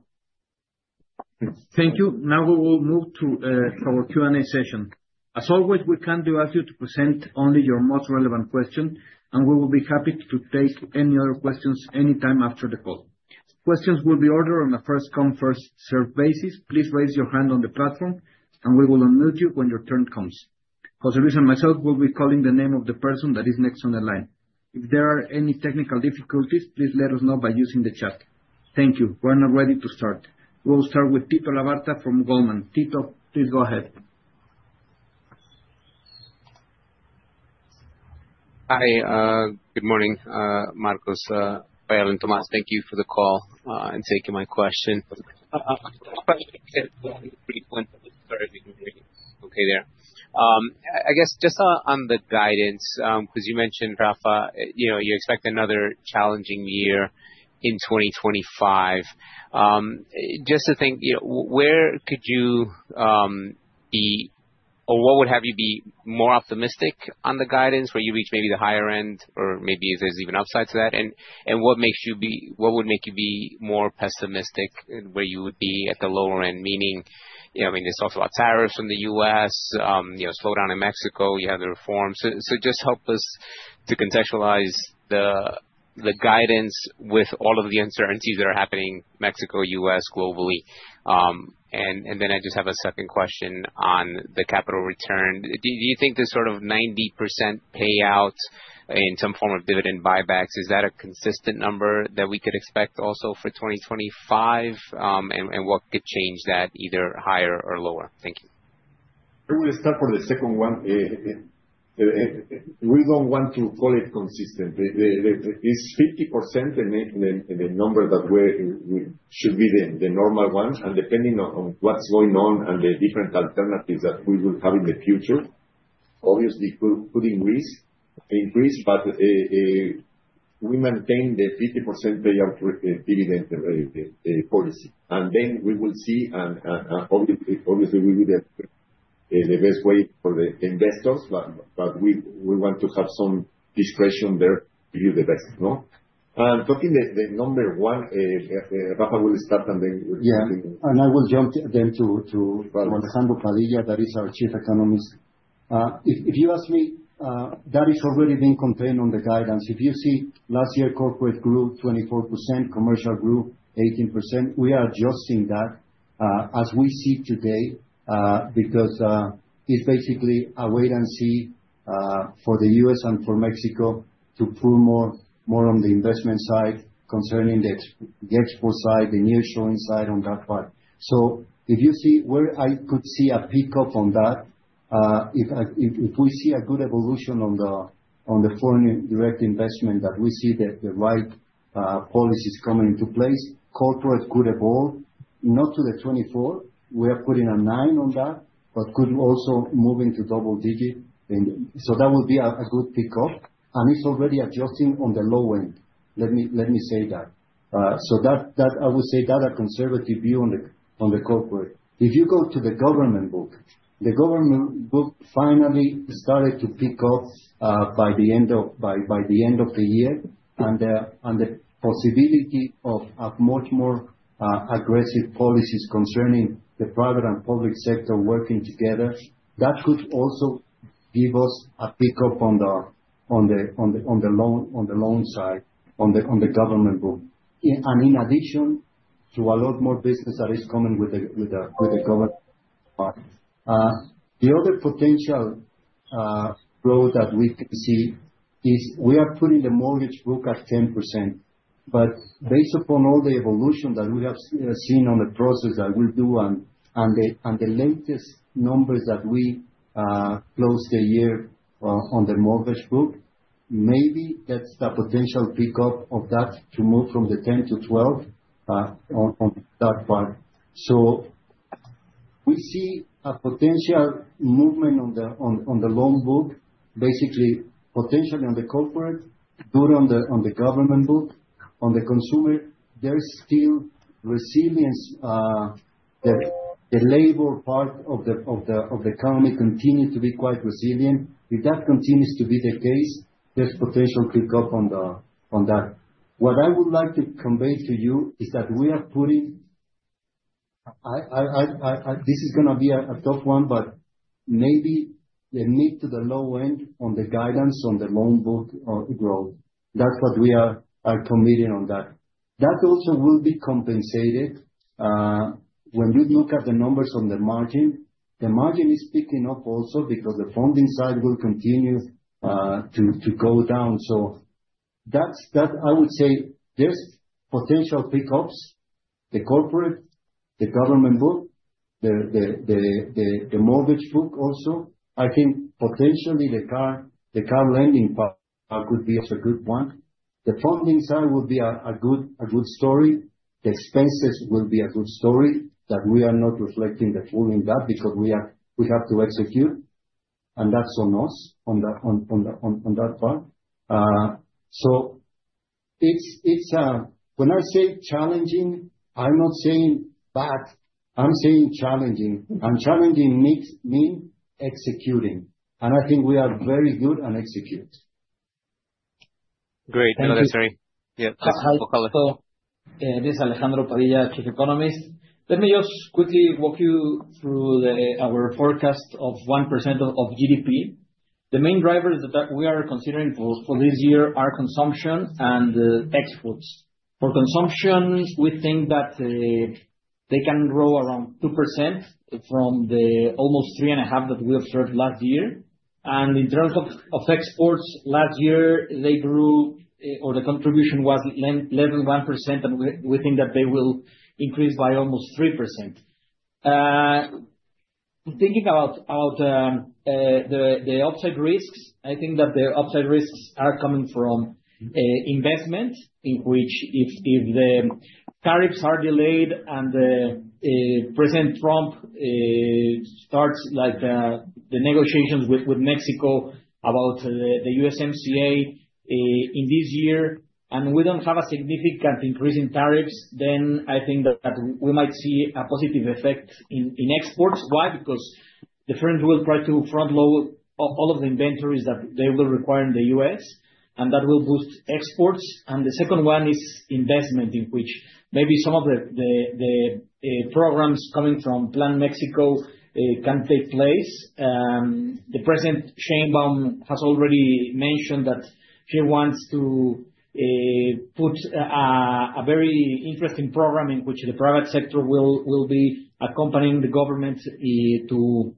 Thank you. Now we will move to our Q&A session. As always, we kindly ask you to present only your most relevant question, and we will be happy to take any other questions anytime after the call. Questions will be ordered on a first-come, first-served basis. Please raise your hand on the platform, and we will unmute you when your turn comes. José Luis and myself will be calling the name of the person that is next on the line. If there are any technical difficulties, please let us know by using the chat. Thank you. We're now ready to start. We'll start with Tito Labarta from Goldman. Tito, please go ahead. Hi. Good morning, Marcos, Rafael and Tomás. Thank you for the call and taking my question. I guess just on the guidance, because you mentioned, Rafa, you expect another challenging year in 2025. Just to think, where could you be or what would have you be more optimistic on the guidance where you reach maybe the higher end, or maybe there's even upside to that? What would make you be more pessimistic where you would be at the lower end? Meaning, I mean, there's talks about tariffs from the U.S., slowdown in Mexico, you have the reforms. So just help us to contextualize the guidance with all of the uncertainties that are happening in Mexico, U.S., globally. And then I just have a second question on the capital return. Do you think this sort of 90% payout in some form of dividend buybacks, is that a consistent number that we could expect also for 2025? And what could change that, either higher or lower? Thank you. I will start for the second one. We don't want to call it consistent. It's 50% the number that should be the normal one. Depending on what's going on and the different alternatives that we will have in the future, obviously could increase, but we maintain the 50% payout dividend policy. Then we will see, and obviously, we will get the best way for the investors, but we want to have some discretion there to give you the best. Talking the number one, Rafa will start and then we'll continue. Yeah. I will jump then to Alejandro Padilla, that is our Chief Economist. If you ask me, that is already being contained on the guidance. If you see last year corporate grew 24%, commercial grew 18%, we are adjusting that as we see today because it's basically a wait and see for the U.S. and for Mexico to pull more on the investment side concerning the export side, the nearshoring side on that part. So if you see where I could see a pickup on that, if we see a good evolution on the foreign direct investment that we see the right policies coming into place, corporate could evolve, not to the 24%. We are putting a 9% on that, but could also move into double-digit. So that would be a good pickup. And it's already adjusting on the low end, let me say that. So I would say that a conservative view on the corporate. If you go to the government book, the government book finally started to pick up by the end of the year. And the possibility of much more aggressive policies concerning the private and public sector working together, that could also give us a pickup on the loan side, on the government book. And in addition to a lot more business that is coming with the government part. The other potential growth that we can see is we are putting the mortgage book at 10%. But based upon all the evolution that we have seen on the process that we do and the latest numbers that we closed the year on the mortgage book, maybe that's the potential pickup of that to move from the 10%-12% on that part. So we see a potential movement on the loan book, basically potentially on the corporate, good on the government book. On the consumer, there's still resilience. The labor part of the economy continues to be quite resilient. If that continues to be the case, there's potential pickup on that. What I would like to convey to you is that we are putting this is going to be a tough one, but maybe the mid to the low end on the guidance on the loan book growth. That's what we are committing on that. That also will be compensated. When you look at the numbers on the margin, the margin is picking up also because the funding side will continue to go down. So I would say there's potential pickups. The corporate, the government book, the mortgage book also. I think potentially the car lending part could be a good one. The funding side would be a good story. The expenses will be a good story that we are not reflecting the full in that because we have to execute. And that's on us on that part. So when I say challenging, I'm not saying bad. I'm saying challenging. Challenging means executing. And I think we are very good and execute. Great. Thank you. Yeah. This is Alejandro Padilla, Chief Economist. Let me just quickly walk you through our forecast of 1% of GDP. The main drivers that we are considering for this year are consumption and exports. For consumption, we think that they can grow around 2% from the almost 3.5% that we observed last year. In terms of exports last year, they grew or the contribution was less than 1%, and we think that they will increase by almost 3%. Thinking about the upside risks, I think that the upside risks are coming from investment, in which if the tariffs are delayed and President Trump starts the negotiations with Mexico about the USMCA in this year, and we don't have a significant increase in tariffs, then I think that we might see a positive effect in exports. Why? Because the firms will try to front-load all of the inventories that they will require in the U.S., and that will boost exports. The second one is investment, in which maybe some of the programs coming from Plan Mexico can take place. The President, Sheinbaum, has already mentioned that she wants to put a very interesting program in which the private sector will be accompanying the government to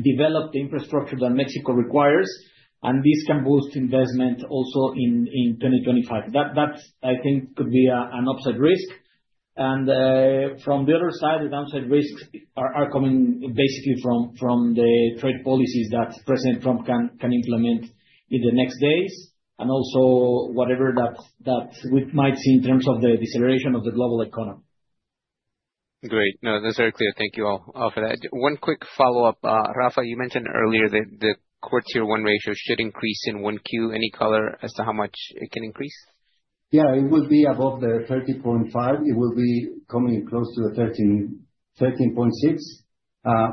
develop the infrastructure that Mexico requires. And this can boost investment also in 2025. That, I think, could be an upside risk. And from the other side, the downside risks are coming basically from the trade policies that President Trump can implement in the next days, and also whatever that we might see in terms of the deceleration of the global economy. Great. No, those are clear. Thank you all for that. One quick follow-up. Rafa, you mentioned earlier that the cost-to-income ratio should increase in 1Q. Any color as to how much it can increase? Yeah, it will be above the 30.5. It will be coming close to the 13.6.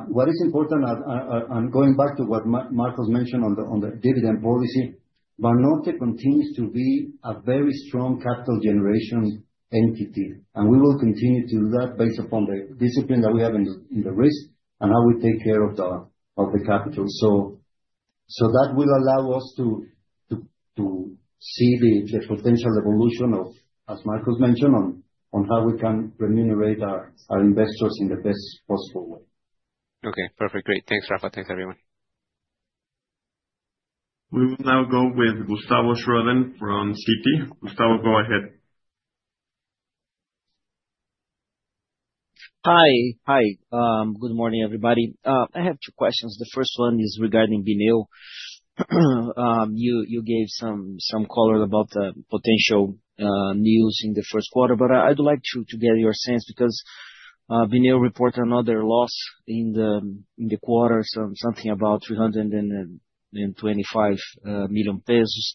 What is important, and going back to what Marcos mentioned on the dividend policy, Banorte continues to be a very strong capital generation entity. And we will continue to do that based upon the discipline that we have in the risk and how we take care of the capital. So that will allow us to see the potential evolution of, as Marcos mentioned, on how we can remunerate our investors in the best possible way. Okay. Perfect. Great. Thanks, Rafa. Thanks, everyone. We will now go with Gustavo Schroden from Citi. Gustavo, go ahead. Hi. Hi. Good morning, everybody. I have two questions. The first one is regarding Bineo. You gave some color about the potential NII in the first quarter, but I'd like to get your sense because Bineo reported another loss in the quarter, something about 325 million pesos.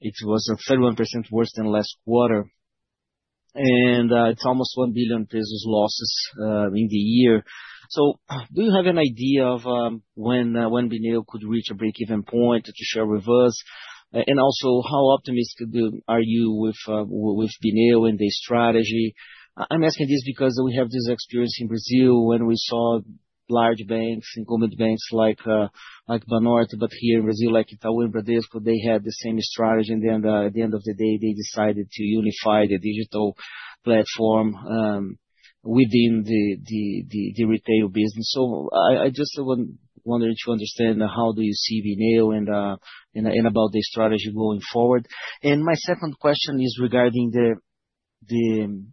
It was 31% worse than last quarter. And it's almost 1 billion pesos losses in the year. So do you have an idea of when Bineo could reach a break-even point to share with us? And also, how optimistic are you with Bineo and their strategy? I'm asking this because we have this experience in Brazil when we saw large banks, incumbent banks like Banorte, but here in Brazil, like Itaú and Bradesco, they had the same strategy. And then at the end of the day, they decided to unify the digital platform within the retail business. So I just wanted to understand how do you see Bineo and about their strategy going forward. My second question is regarding the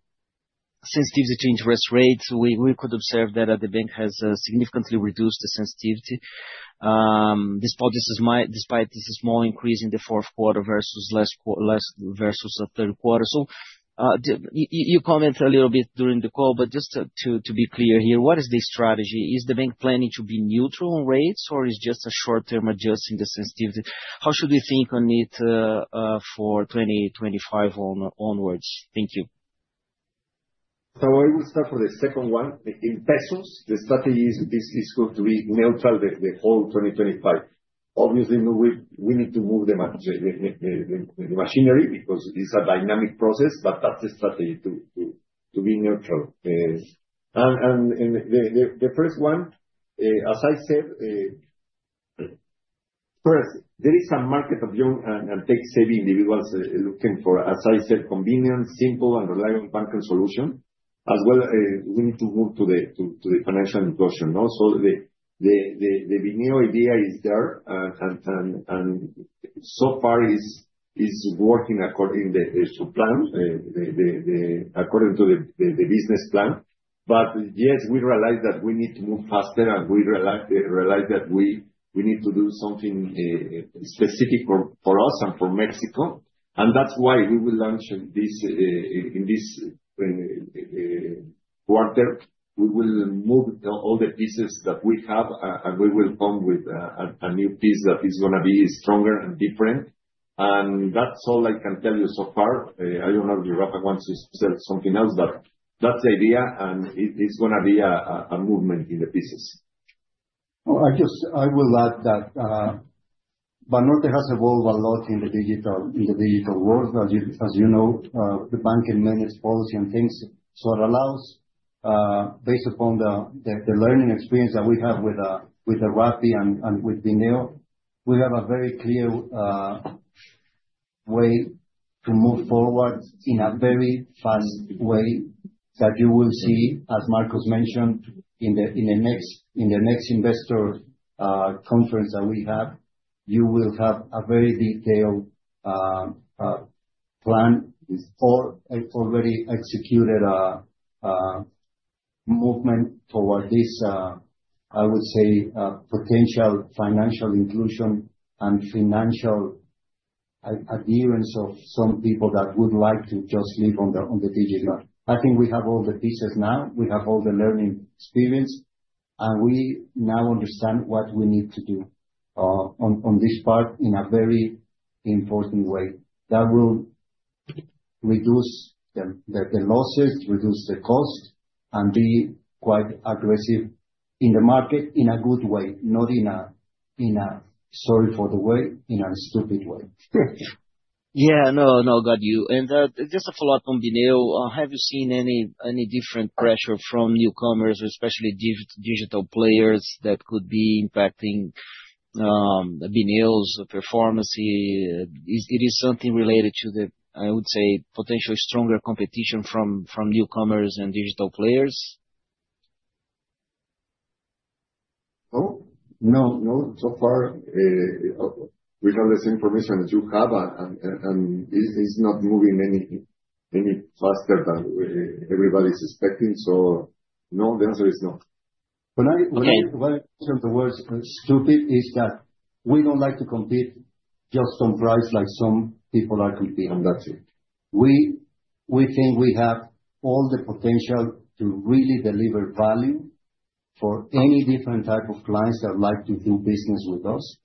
sensitivity to interest rates. We could observe that the bank has significantly reduced the sensitivity despite the small increase in the fourth quarter versus the third quarter. You commented a little bit during the call, but just to be clear here, what is the strategy? Is the bank planning to be neutral on rates, or is it just a short-term adjusting the sensitivity? How should we think on it for 2025 onwards? Thank you. I will start for the second one. In pesos, the strategy is going to be neutral the whole 2025. Obviously, we need to move the machinery because it's a dynamic process, but that's the strategy to be neutral. And the first one, as I said, first, there is a market of young and tech-savvy individuals looking for, as I said, convenient, simple, and reliable banking solution, as well as we need to move to the financial inclusion. So the Bineo idea is there, and so far it's working according to the plan, according to the business plan. But yes, we realize that we need to move faster, and we realize that we need to do something specific for us and for Mexico. And that's why we will launch in this quarter. We will move all the pieces that we have, and we will come with a new piece that is going to be stronger and different. And that's all I can tell you so far. I don't know if Rafa wants to say something else, but that's the idea, and it's going to be a movement in the pieces. I will add that Banorte has evolved a lot in the digital world. As you know, the banking managed policy and things. So it allows, based upon the learning experience that we have with Rappi and with Bineo, we have a very clear way to move forward in a very fast way that you will see, as Marcos mentioned, in the next investor conference that we have. You will have a very detailed plan or already executed movement toward this, I would say, potential financial inclusion and financial adherence of some people that would like to just live on the digital. I think we have all the pieces now. We have all the learning experience, and we now understand what we need to do on this part in a very important way. That will reduce the losses, reduce the cost, and be quite aggressive in the market in a good way, not in a sorry-for-the-way, in a stupid way. Yeah. No, no, got you. And just a follow-up on Bineo. Have you seen any different pressure from newcomers, especially digital players, that could be impacting Bineo's performance? It is something related to the, I would say, potential stronger competition from newcomers and digital players? No. No, so far, we have the same information that you have, and it's not moving any faster than everybody's expecting. So no, the answer is no. When I put the words stupid, it's that we don't like to compete just on price like some people are competing. We think we have all the potential to really deliver value for any different type of clients that would like to do business with us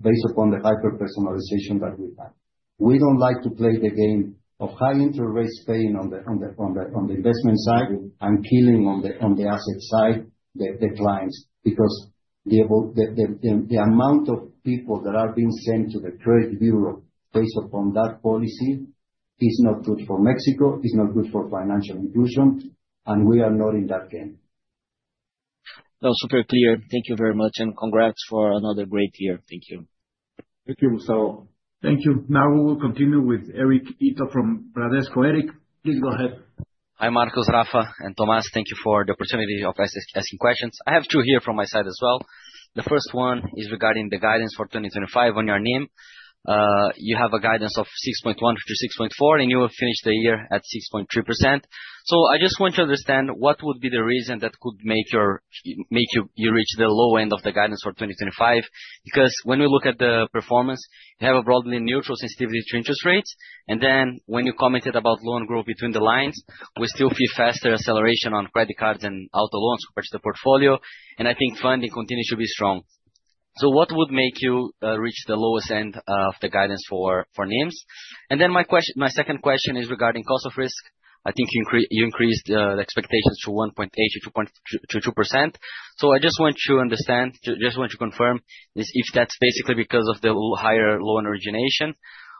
based upon the hyper-personalization that we have. We don't like to play the game of high interest rates paying on the investment side and killing on the asset side the clients because the amount of people that are being sent to the credit bureau based upon that policy is not good for Mexico. It's not good for financial inclusion, and we are not in that game. That was super clear. Thank you very much, and congrats for another great year. Thank you. Thank you, Gustavo. Thank you. Now we will continue with Eric Ito from Bradesco. Eric, please go ahead. Hi, Marcos, Rafa, and Tomás. Thank you for the opportunity of us asking questions. I have two here from my side as well. The first one is regarding the guidance for 2025 on your NIM. You have a guidance of 6.1%-6.4%, and you will finish the year at 6.3%. So I just want to understand what would be the reason that could make you reach the low end of the guidance for 2025? Because when we look at the performance, you have a broadly neutral sensitivity to interest rates. And then when you commented about loan growth between the lines, we still see faster acceleration on credit cards and auto loans compared to the portfolio. And I think funding continues to be strong. So what would make you reach the lowest end of the guidance for NIM? And then my second question is regarding cost of risk. I think you increased the expectations to 1.8%-2%. I just want to understand, just want to confirm if that's basically because of the higher loan origination,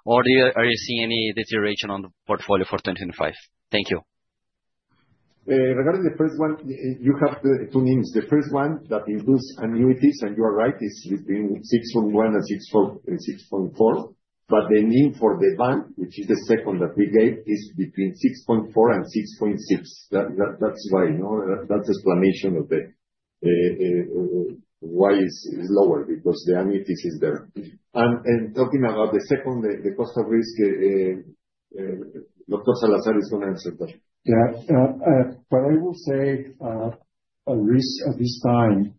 or are you seeing any deterioration on the portfolio for 2025? Thank you. Regarding the first one, you have two names. The first one that includes annuities, and you are right, it's between 6.1 and 6.4. But the name for the bank, which is the second that we gave, is between 6.4 and 6.6. That's why. That's the explanation of why it's lower because the annuities is there. Talking about the second, the cost of risk, Dr. Salazar is going to answer that. Yeah. What I will say at this time,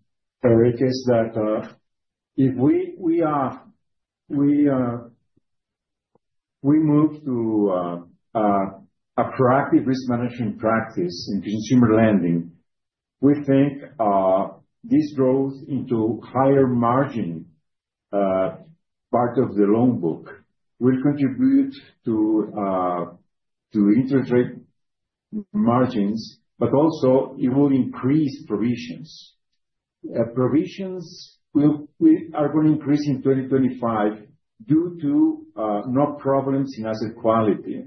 Eric, is that if we move to a proactive risk management practice in consumer lending, we think this growth into higher margin part of the loan book will contribute to interest rate margins, but also it will increase provisions. Provisions are going to increase in 2025 due to no problems in asset quality.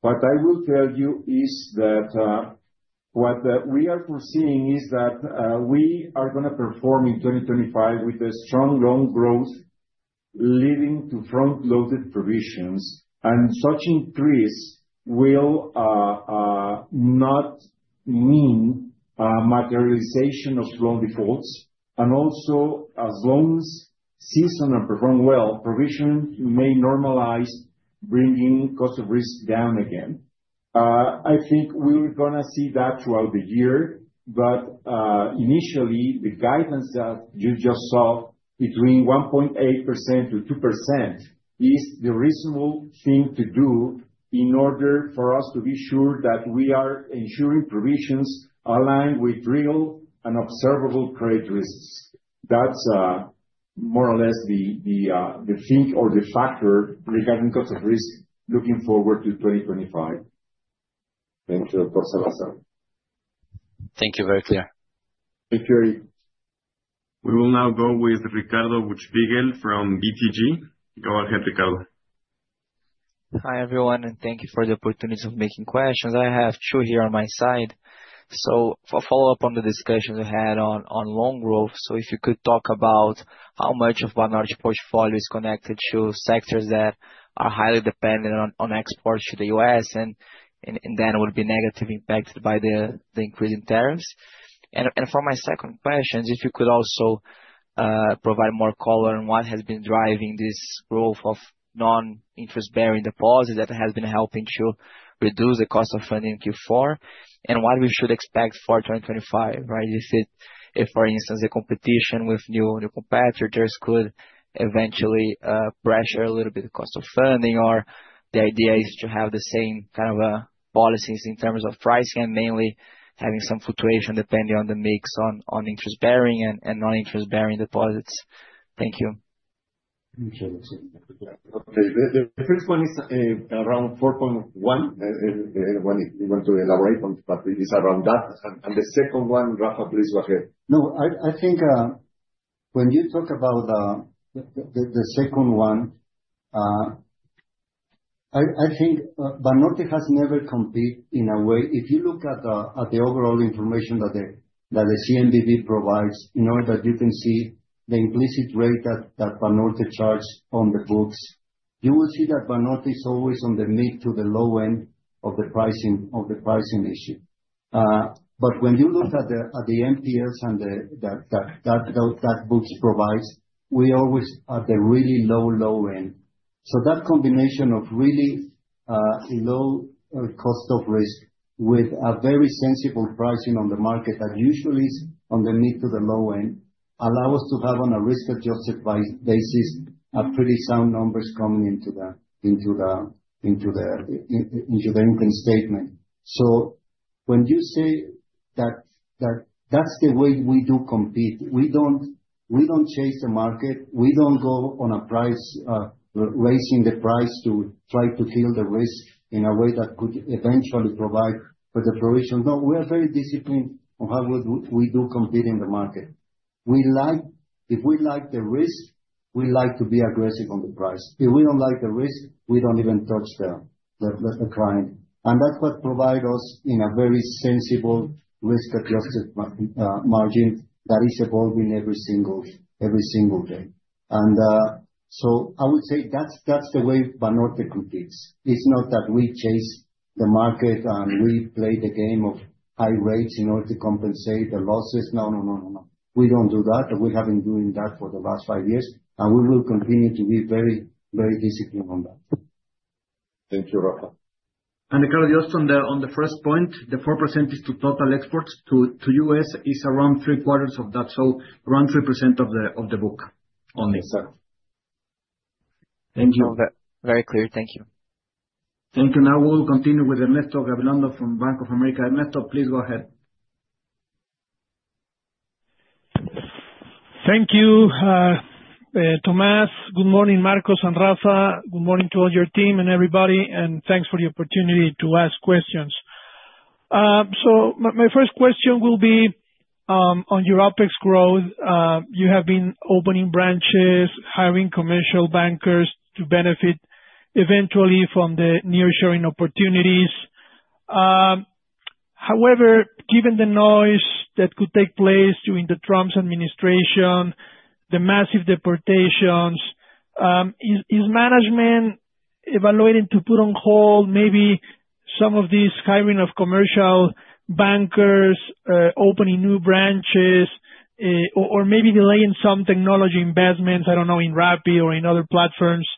What I will tell you is that what we are foreseeing is that we are going to perform in 2025 with a strong loan growth leading to front-loaded provisions, and such increase will not mean materialization of loan defaults, and also, as long as scenarios are performed well, provision may normalize, bringing cost of risk down again. I think we're going to see that throughout the year, but initially, the guidance that you just saw between 1.8%-2% is the reasonable thing to do in order for us to be sure that we are ensuring provisions aligned with real and observable credit risks. That's more or less the thing or the factor regarding cost of risk looking forward to 2025. Thank you, Dr. Salazar. Thank you. Very clear. Thank you, Eric. We will now go with Ricardo Buchpiguel from BTG. Go ahead, Ricardo. Hi, everyone, and thank you for the opportunity of making questions. I have two here on my side. So for a follow-up on the discussion we had on loan growth, so if you could talk about how much of Banorte's portfolio is connected to sectors that are highly dependent on exports to the U.S. and then would be negatively impacted by the increase in tariffs? And for my second question, if you could also provide more color on what has been driving this growth of non-interest-bearing deposits that has been helping to reduce the cost of funding in Q4 and what we should expect for 2025, right? If, for instance, the competition with new competitors could eventually pressure a little bit the cost of funding, or the idea is to have the same kind of policies in terms of pricing and mainly having some fluctuation depending on the mix on interest-bearing and non-interest-bearing deposits? Thank you. The first one is around 4.1. If you want to elaborate on it, but it's around that, and the second one, Rafael, please go ahead. No, I think when you talk about the second one, I think Banorte has never competed in a way. If you look at the overall information that the CNBV provides, you know that you can see the implicit rate that Banorte charges on the books. You will see that Banorte is always on the mid to the low end of the pricing issue. But when you look at the NPLs and the books provide, we always are at the really low, low end. So that combination of really low cost of risk with a very sensible pricing on the market that usually is on the mid to the low end allows us to have on a risk-adjusted basis pretty sound numbers coming into the income statement. So when you say that that's the way we do compete, we don't chase the market. We don't go on a price raising the price to try to kill the risk in a way that could eventually provide for the provision. No, we are very disciplined on how we do compete in the market. If we like the risk, we like to be aggressive on the price. If we don't like the risk, we don't even touch the client. And that's what provides us in a very sensible risk-adjusted margin that is evolving every single day. And so I would say that's the way Banorte competes. It's not that we chase the market and we play the game of high rates in order to compensate the losses. No, no, no, no, no. We don't do that. We have been doing that for the last five years, and we will continue to be very, very disciplined on that. Thank you, Rafa. And Ricardo, just on the first point, the 4% is to total exports to the U.S. is around three-quarters of that, so around 3% of the book only. Exactly. Thank you. Very clear. Thank you. Thank you. Now we will continue with Ernesto Gabilondo from Bank of America. Ernesto, please go ahead. Thank you, Tomás. Good morning, Marcos and Rafa. Good morning to all your team and everybody, and thanks for the opportunity to ask questions. So my first question will be on your OpEx growth. You have been opening branches, hiring commercial bankers to benefit eventually from the near-shoring opportunities. However, given the noise that could take place during the Trump administration, the massive deportations, is management evaluating to put on hold maybe some of these hiring of commercial bankers, opening new branches, or maybe delaying some technology investments, I don't know, in Rappi or in other platforms?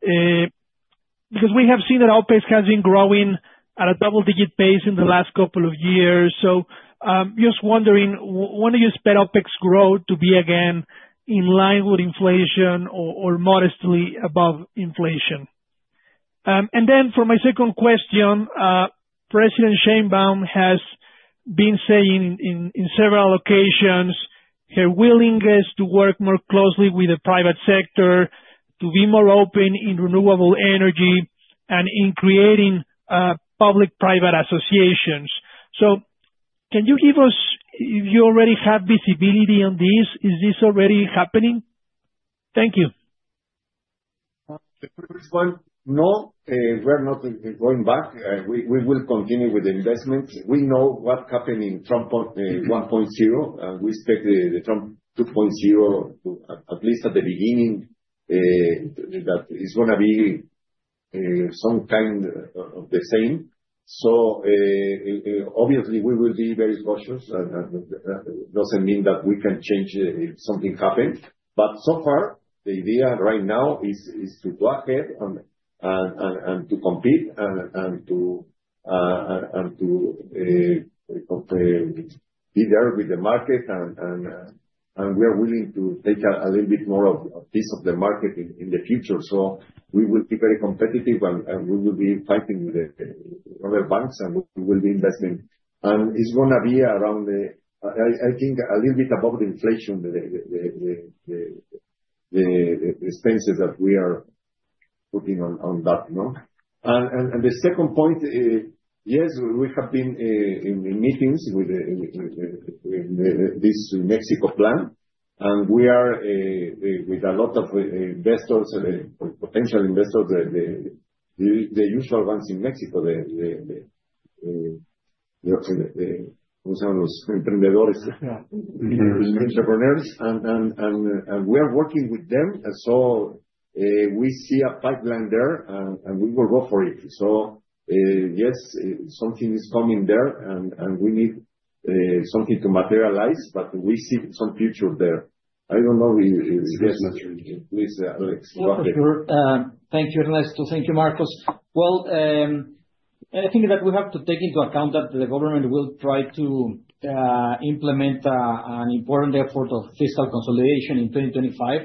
Because we have seen that OpEx has been growing at a double-digit pace in the last couple of years. So just wondering, what do you expect OpEx growth to be again in line with inflation or modestly above inflation? And then for my second question, President Sheinbaum has been saying in several occasions her willingness to work more closely with the private sector, to be more open in renewable energy, and in creating public-private associations. So can you give us, if you already have visibility on this, is this already happening? Thank you. The first one, no, we're not going back. We will continue with the investments. We know what happened in Trump 1.0. We expect the Trump 2.0, at least at the beginning, that it's going to be some kind of the same. So obviously, we will be very cautious. It doesn't mean that we can change if something happens. But so far, the idea right now is to go ahead and to compete and to be there with the market. We are willing to take a little bit more of a piece of the market in the future. So we will be very competitive, and we will be fighting with the other banks, and we will be investing. And it's going to be around, I think, a little bit above the inflation, the expenses that we are putting on that. And the second point, yes, we have been in meetings with this Mexico Plan, and we are with a lot of investors, potential investors, the usual ones in Mexico, the entrepreneurs. And we are working with them. So we see a pipeline there, and we will go for it. So yes, something is coming there, and we need something to materialize, but we see some future there. I don't know. Yes, please, Alex. Go ahead. Thank you, Ernesto. Thank you, Marcos. I think that we have to take into account that the government will try to implement an important effort of fiscal consolidation in 2025.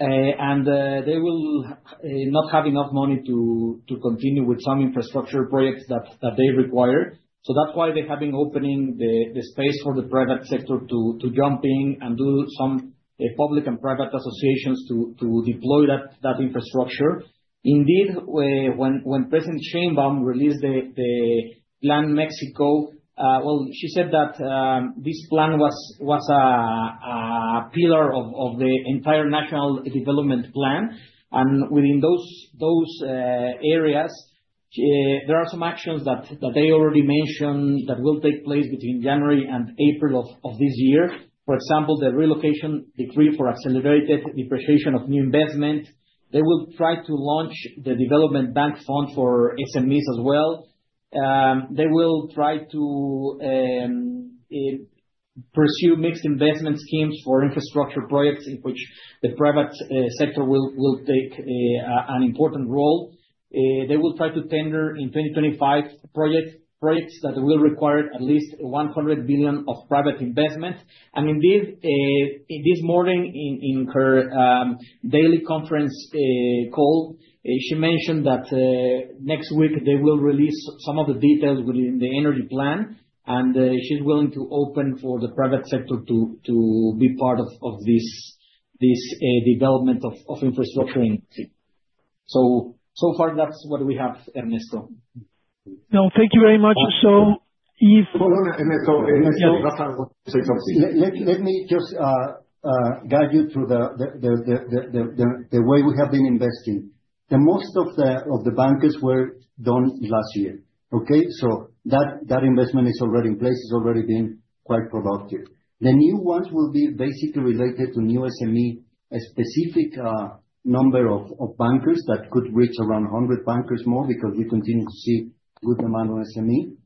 They will not have enough money to continue with some infrastructure projects that they require. That's why they have been opening the space for the private sector to jump in and do some public and private associations to deploy that infrastructure. Indeed, when President Sheinbaum released the Plan Mexico, well, she said that this plan was a pillar of the entire national development plan. Within those areas, there are some actions that they already mentioned that will take place between January and April of this year. For example, the relocation decree for accelerated depreciation of new investment. They will try to launch the development bank fund for SMEs as well. They will try to pursue mixed investment schemes for infrastructure projects in which the private sector will take an important role. They will try to tender in 2025 projects that will require at least 100 billion of private investment. And indeed, this morning in her daily conference call, she mentioned that next week they will release some of the details within the energy plan, and she's willing to open for the private sector to be part of this development of infrastructure. So far, that's what we have, Ernesto. No, thank you very much. Ernesto, Rafa, I want to say something. Let me just guide you through the way we have been investing. Most of the bankers were done last year, okay? So that investment is already in place. It's already been quite productive. The new ones will be basically related to new SME, a specific number of bankers that could reach around 100 bankers more because we continue to see good demand on SME.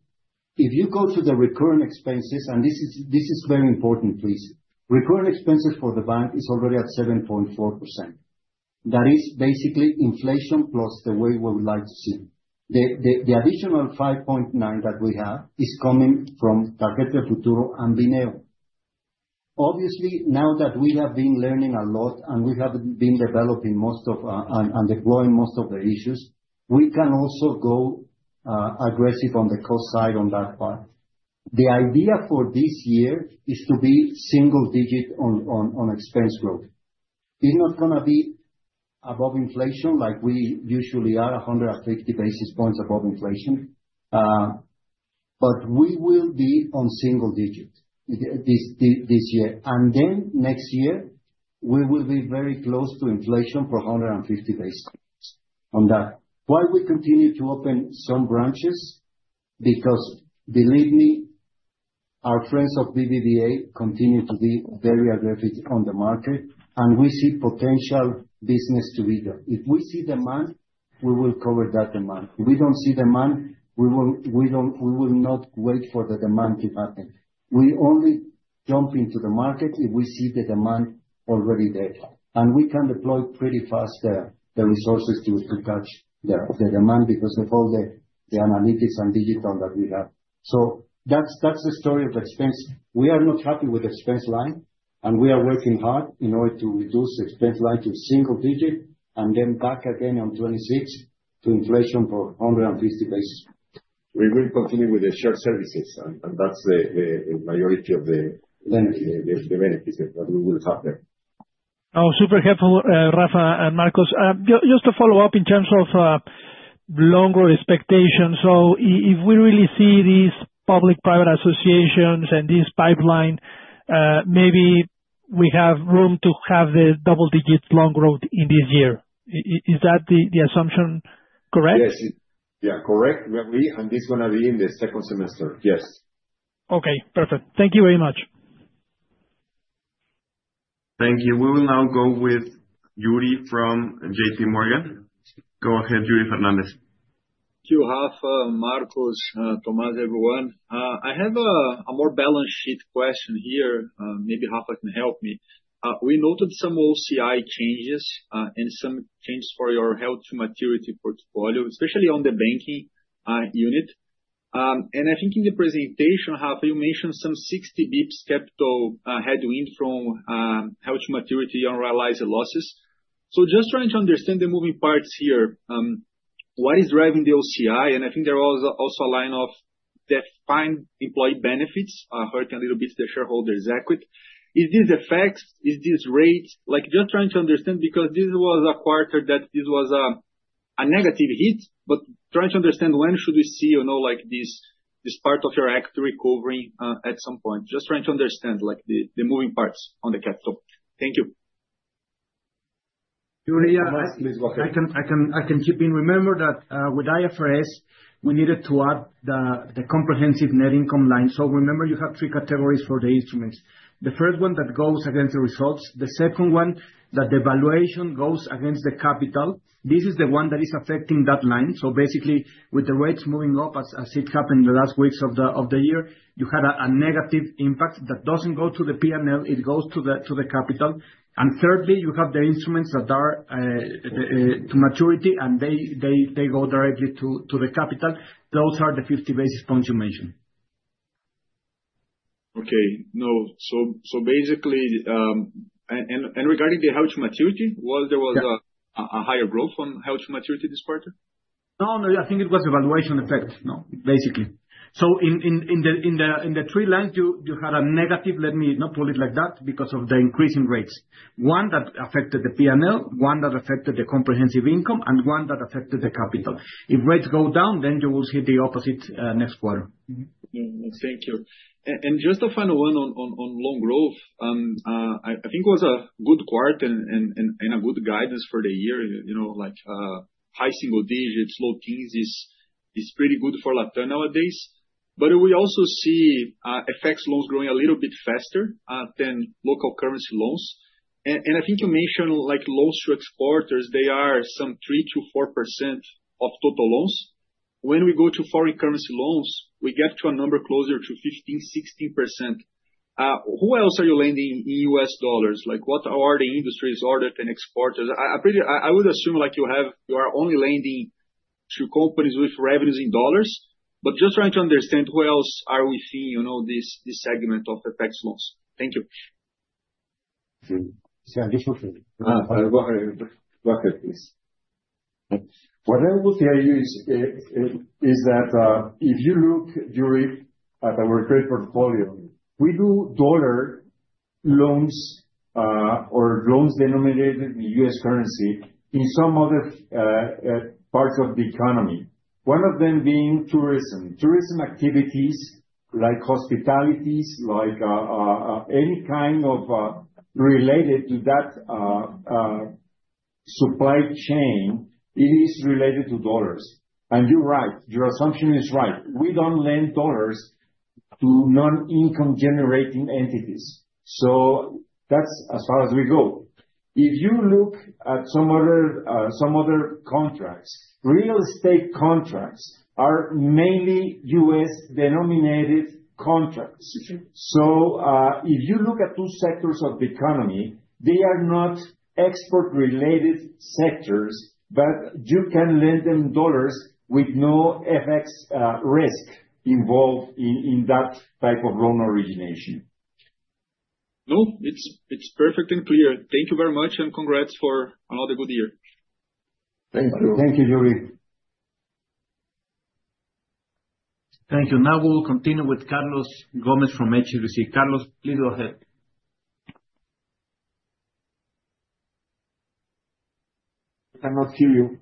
If you go to the recurrent expenses, and this is very important, please. Recurrent expenses for the bank is already at 7.4%. That is basically inflation plus the way we would like to see. The additional 5.9% that we have is coming from Tarjeta del Futuro and Bineo. Obviously, now that we have been learning a lot and we have been developing most of and deploying most of the issues, we can also go aggressive on the cost side on that part. The idea for this year is to be single-digit on expense growth. It's not going to be above inflation like we usually are, 150 basis points above inflation. But we will be on single digit this year. And then next year, we will be very close to inflation plus 150 basis points on that. Why do we continue to open some branches? Because, believe me, our friends at BBVA continue to be very aggressive in the market, and we see potential business to be there. If we see demand, we will cover that demand. If we do not see demand, we will not wait for the demand to happen. We only jump into the market if we see the demand already there. We can deploy pretty fast the resources to catch the demand because of all the analytics and digital that we have. That is the story of expense. We are not happy with the expense line, and we are working hard in order to reduce the expense line to a single digit and then back again in 2026 to inflation plus 150 basis points. We will continue with the shared services, and that's the majority of the benefits that we will have there. Oh, super helpful, Rafa and Marcos. Just to follow up in terms of longer-term expectations. So if we really see these public-private associations and this pipeline, maybe we have room to have the double-digit longer-term in this year. Is that the assumption correct? Yes. Yeah, correct. And it's going to be in the second semester. Yes. Okay. Perfect. Thank you very much. Thank you. We will now go with Yuri from JPMorgan. Go ahead, Yuri Fernandes. Thank you, Rafa, Marcos, Tomás, everyone. I have a balance sheet question here. Maybe Rafa can help me. We noted some OCI changes and some changes for your held-to-maturity portfolio, especially on the banking unit. And I think in the presentation, Rafa, you mentioned some 60 basis points capital headwind from HTM maturity unrealized losses. So just trying to understand the moving parts here. What is driving the OCI? And I think there was also a line of defined employee benefits. I heard a little bit the shareholders' equity. Is this the fact? Is this rate? Just trying to understand because this was a quarter that this was a negative hit, but trying to understand when should we see this part of your equity recovering at some point. Just trying to understand the moving parts on the capital. Thank you. Yuri, please go ahead. I can chip in. Remember that with IFRS, we needed to add the comprehensive net income line. So remember, you have three categories for the instruments. The first one that goes against the results. The second one, that the valuation goes against the capital. This is the one that is affecting that line. So basically, with the rates moving up, as it happened in the last weeks of the year, you had a negative impact that doesn't go to the P&L. It goes to the capital. And thirdly, you have the instruments that are held to maturity, and they go directly to the capital. Those are the 50 basis points you mentioned. Okay. No. So basically, and regarding the held maturity, was there a higher growth on held maturity this quarter? No, no. I think it was valuation effect. No, basically. So in the three lines, you had a negative, let me not put it like that, because of the increasing rates. One that affected the P&L, one that affected the comprehensive income, and one that affected the capital. If rates go down, then you will see the opposite next quarter. Thank you. And just a final one on loan growth. I think it was a good quarter and a good guidance for the year. High single digits, low teens is pretty good for LatAm nowadays. But we also see FX loans growing a little bit faster than local currency loans. And I think you mentioned loans to exporters. They are some 3%-4% of total loans. When we go to foreign currency loans, we get to a number closer to 15%-16%. Who else are you lending in US dollars? What are the industries or the exporters? I would assume you are only lending to companies with revenues in dollars. But just trying to understand who else are we seeing in this segment of FX loans. Thank you. Yeah, this one. Go ahead. Go ahead, please. What I will tell you is that if you look, Yuri, at our trade portfolio, we do dollar loans or loans denominated in U.S. currency in some other parts of the economy. One of them being tourism. Tourism activities like hospitality, like any kind of related to that supply chain, it is related to dollars. And you're right. Your assumption is right. We don't lend dollars to non-income-generating entities. So that's as far as we go. If you look at some other contracts, real estate contracts are mainly U.S.-denominated contracts. So if you look at two sectors of the economy, they are not export-related sectors, but you can lend them dollars with no FX risk involved in that type of loan origination. No, it's perfect and clear. Thank you very much, and congrats for another good year. Thank you. Thank you, Yuri. Thank you. Now we'll continue with Carlos Gomez from HSBC. Carlos, please go ahead. I cannot hear you.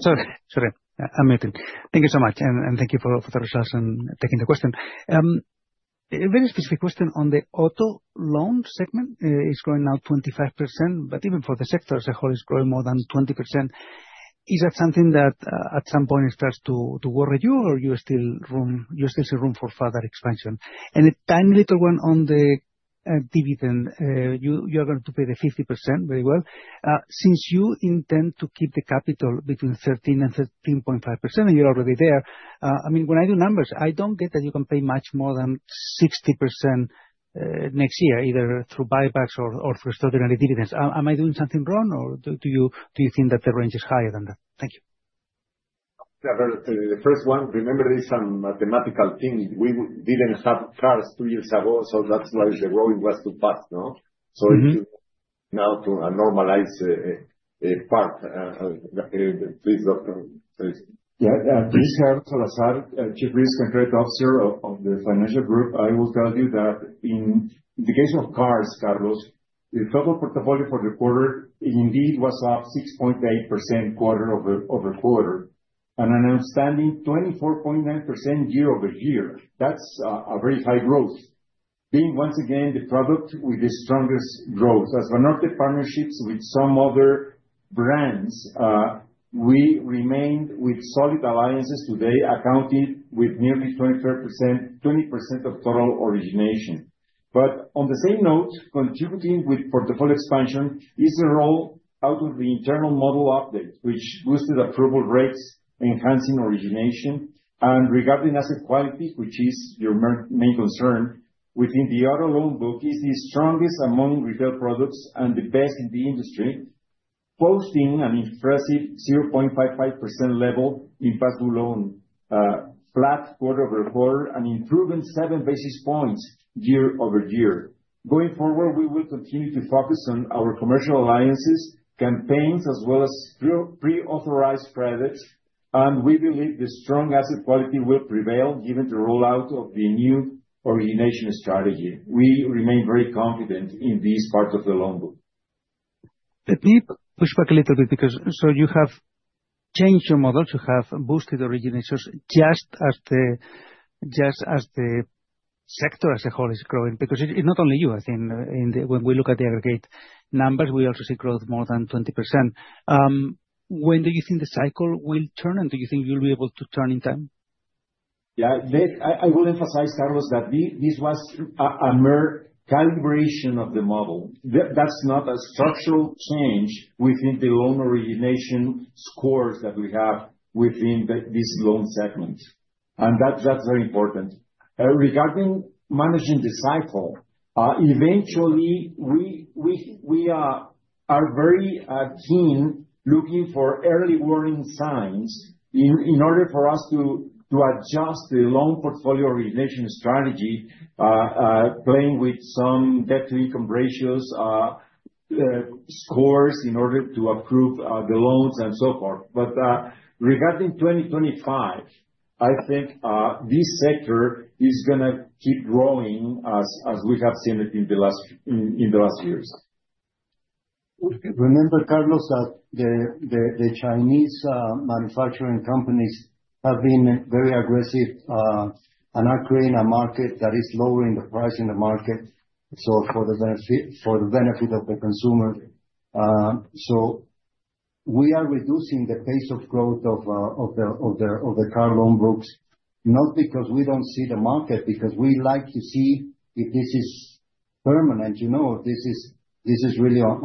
Sorry. Sorry. I'm waiting. Thank you so much. And thank you for the results and taking the question. A very specific question on the auto loan segment. It's growing now 25%, but even for the sector as a whole, it's growing more than 20%. Is that something that at some point it starts to worry you, or you still see room for further expansion? And a tiny little one on the dividend. You are going to pay the 50% very well. Since you intend to keep the capital between 13%-13.5%, and you're already there, I mean, I don't get that you can pay much more than 60% next year, either through buybacks or through extraordinary dividends. Am I doing something wrong, or do you think that the range is higher than that? Thank you. Yeah, the first one, remember, there is some mathematical thing. We didn't have cars two years ago, so that's why the growing was too fast. So if you now to normalize part, please, Dr. Salazar. Yeah. Please, Dr. Gerardo Salazar Viezca, Chief Risk Officer of Grupo Financiero Banorte. I will tell you that in the case of cars, Carlos, the total portfolio for the quarter indeed was up 6.8% quarter-over-quarter, and an outstanding 24.9% year-over-year. That's a very high growth. Being, once again, the product with the strongest growth. As Banorte partnerships with some other brands, we remained with solid alliances today, accounting for nearly 20% of total origination. But on the same note, contributing with portfolio expansion is a rollout of the internal model update, which boosted approval rates, enhancing origination. And regarding asset quality, which is your main concern, within the auto loan book, is the strongest among retail products and the best in the industry, posting an impressive 0.55% level in past due loan, flat quarter-over-quarter, and improving 7 basis points year-over-year. Going forward, we will continue to focus on our commercial alliances, campaigns, as well as pre-authorized credits. And we believe the strong asset quality will prevail given the rollout of the new origination strategy. We remain very confident in this part of the loan book. Let me push back a little bit because you have changed your model. You have boosted originations just as the sector as a whole is growing. Because it's not only you, I think when we look at the aggregate numbers, we also see growth more than 20%. When do you think the cycle will turn, and do you think you'll be able to turn in time? Yeah. I will emphasize, Carlos, that this was a calibration of the model. That's not a structural change within the loan origination scores that we have within this loan segment. And that's very important. Regarding managing the cycle, eventually, we are very keen looking for early warning signs in order for us to adjust the loan portfolio origination strategy, playing with some debt-to-income ratios scores in order to approve the loans and so forth. But regarding 2025, I think this sector is going to keep growing as we have seen it in the last years. Remember, Carlos, that the Chinese manufacturing companies have been very aggressive and are creating a market that is lowering the price in the market for the benefit of the consumer. So we are reducing the pace of growth of the car loan books, not because we don't see the market, because we like to see if this is permanent, if this is really an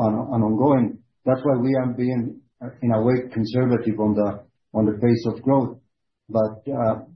ongoing. That's why we are being, in a way, conservative on the pace of growth. But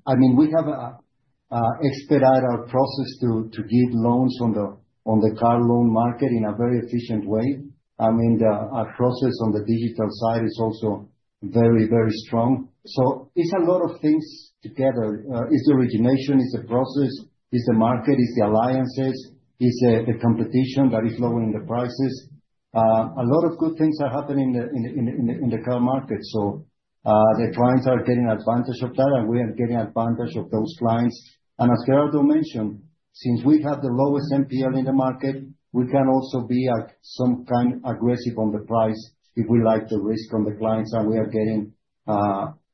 I mean, we have an expedited process to give loans on the car loan market in a very efficient way. I mean, our process on the digital side is also very, very strong. So it's a lot of things together. It's the origination, it's the process, it's the market, it's the alliances, it's the competition that is lowering the prices. A lot of good things are happening in the car market, so the clients are getting advantage of that, and we are getting advantage of those clients, and as Gerardo mentioned, since we have the lowest MPL in the market, we can also be some kind of aggressive on the price if we like the risk on the clients, and we are getting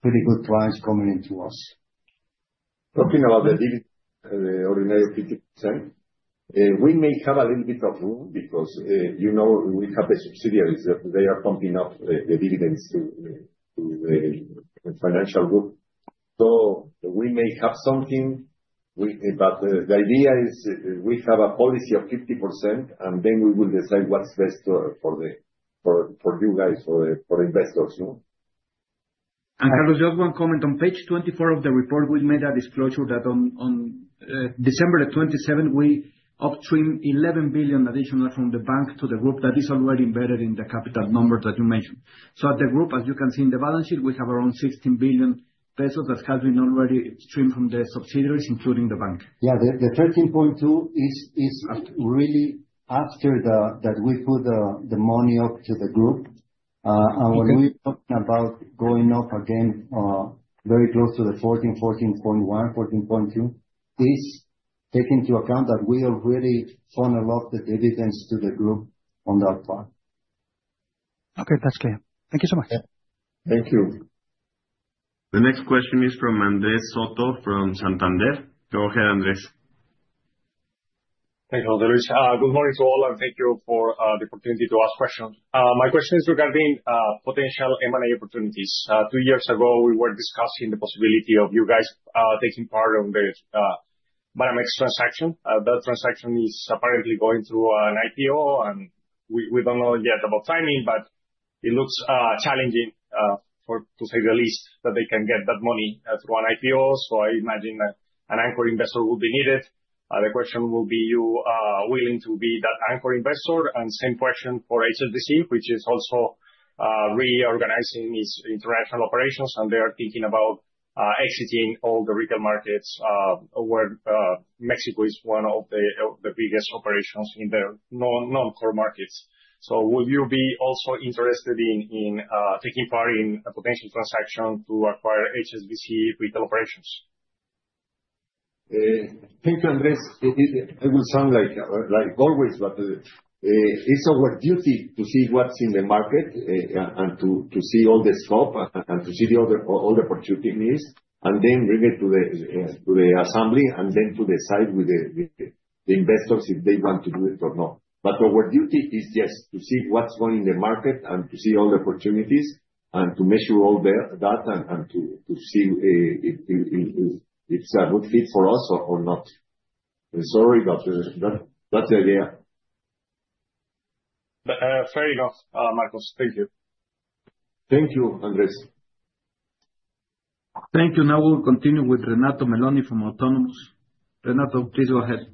pretty good clients coming into us. Talking about the dividend, the ordinary 50%, we may have a little bit of room because we have the subsidiaries. They are pumping up the dividends to the financial group, so we may have something, but the idea is we have a policy of 50%, and then we will decide what's best for you guys, for the investors. And Carlos, just one comment. On page 24 of the report, we made a disclosure that on December 27, we upstream 11 billion additional from the bank to the group that is already embedded in the capital number that you mentioned. So at the group, as you can see in the balance sheet, we have around 16 billion pesos that has been already streamed from the subsidiaries, including the bank. Yeah. The 13.2 is really after that we put the money up to the group. And when we talk about going up again, very close to the 14, 14.1, 14.2, it's taken into account that we have really funneled off the dividends to the group on that part. Okay. That's clear. Thank you so much. Thank you. The next question is from Andrés Soto from Santander. Go ahead, Andrés. Thank you, Andrés. Good morning to all, and thank you for the opportunity to ask questions. My question is regarding potential M&A opportunities. Two years ago, we were discussing the possibility of you guys taking part in the Banamex transaction. That transaction is apparently going through an IPO, and we don't know yet about timing, but it looks challenging, to say the least, that they can get that money through an IPO. So I imagine an anchor investor would be needed. The question will be, are you willing to be that anchor investor? And same question for HSBC, which is also reorganizing its international operations, and they are thinking about exiting all the retail markets where Mexico is one of the biggest operations in the non-core markets. So would you be also interested in taking part in a potential transaction to acquire HSBC retail operations? Thank you, Andrés. It will sound like always, but it's our duty to see what's in the market and to see all the scope and to see the other opportunities, and then bring it to the assembly and then to decide with the investors if they want to do it or not. But our duty is just to see what's going on in the market and to see all the opportunities and to measure all that and to see if it's a good fit for us or not. Sorry, but that's the idea. Fair enough, Marcos. Thank you. Thank you, Andrés. Thank you. Now we'll continue with Renato Meloni from Autonomous. Renato, please go ahead.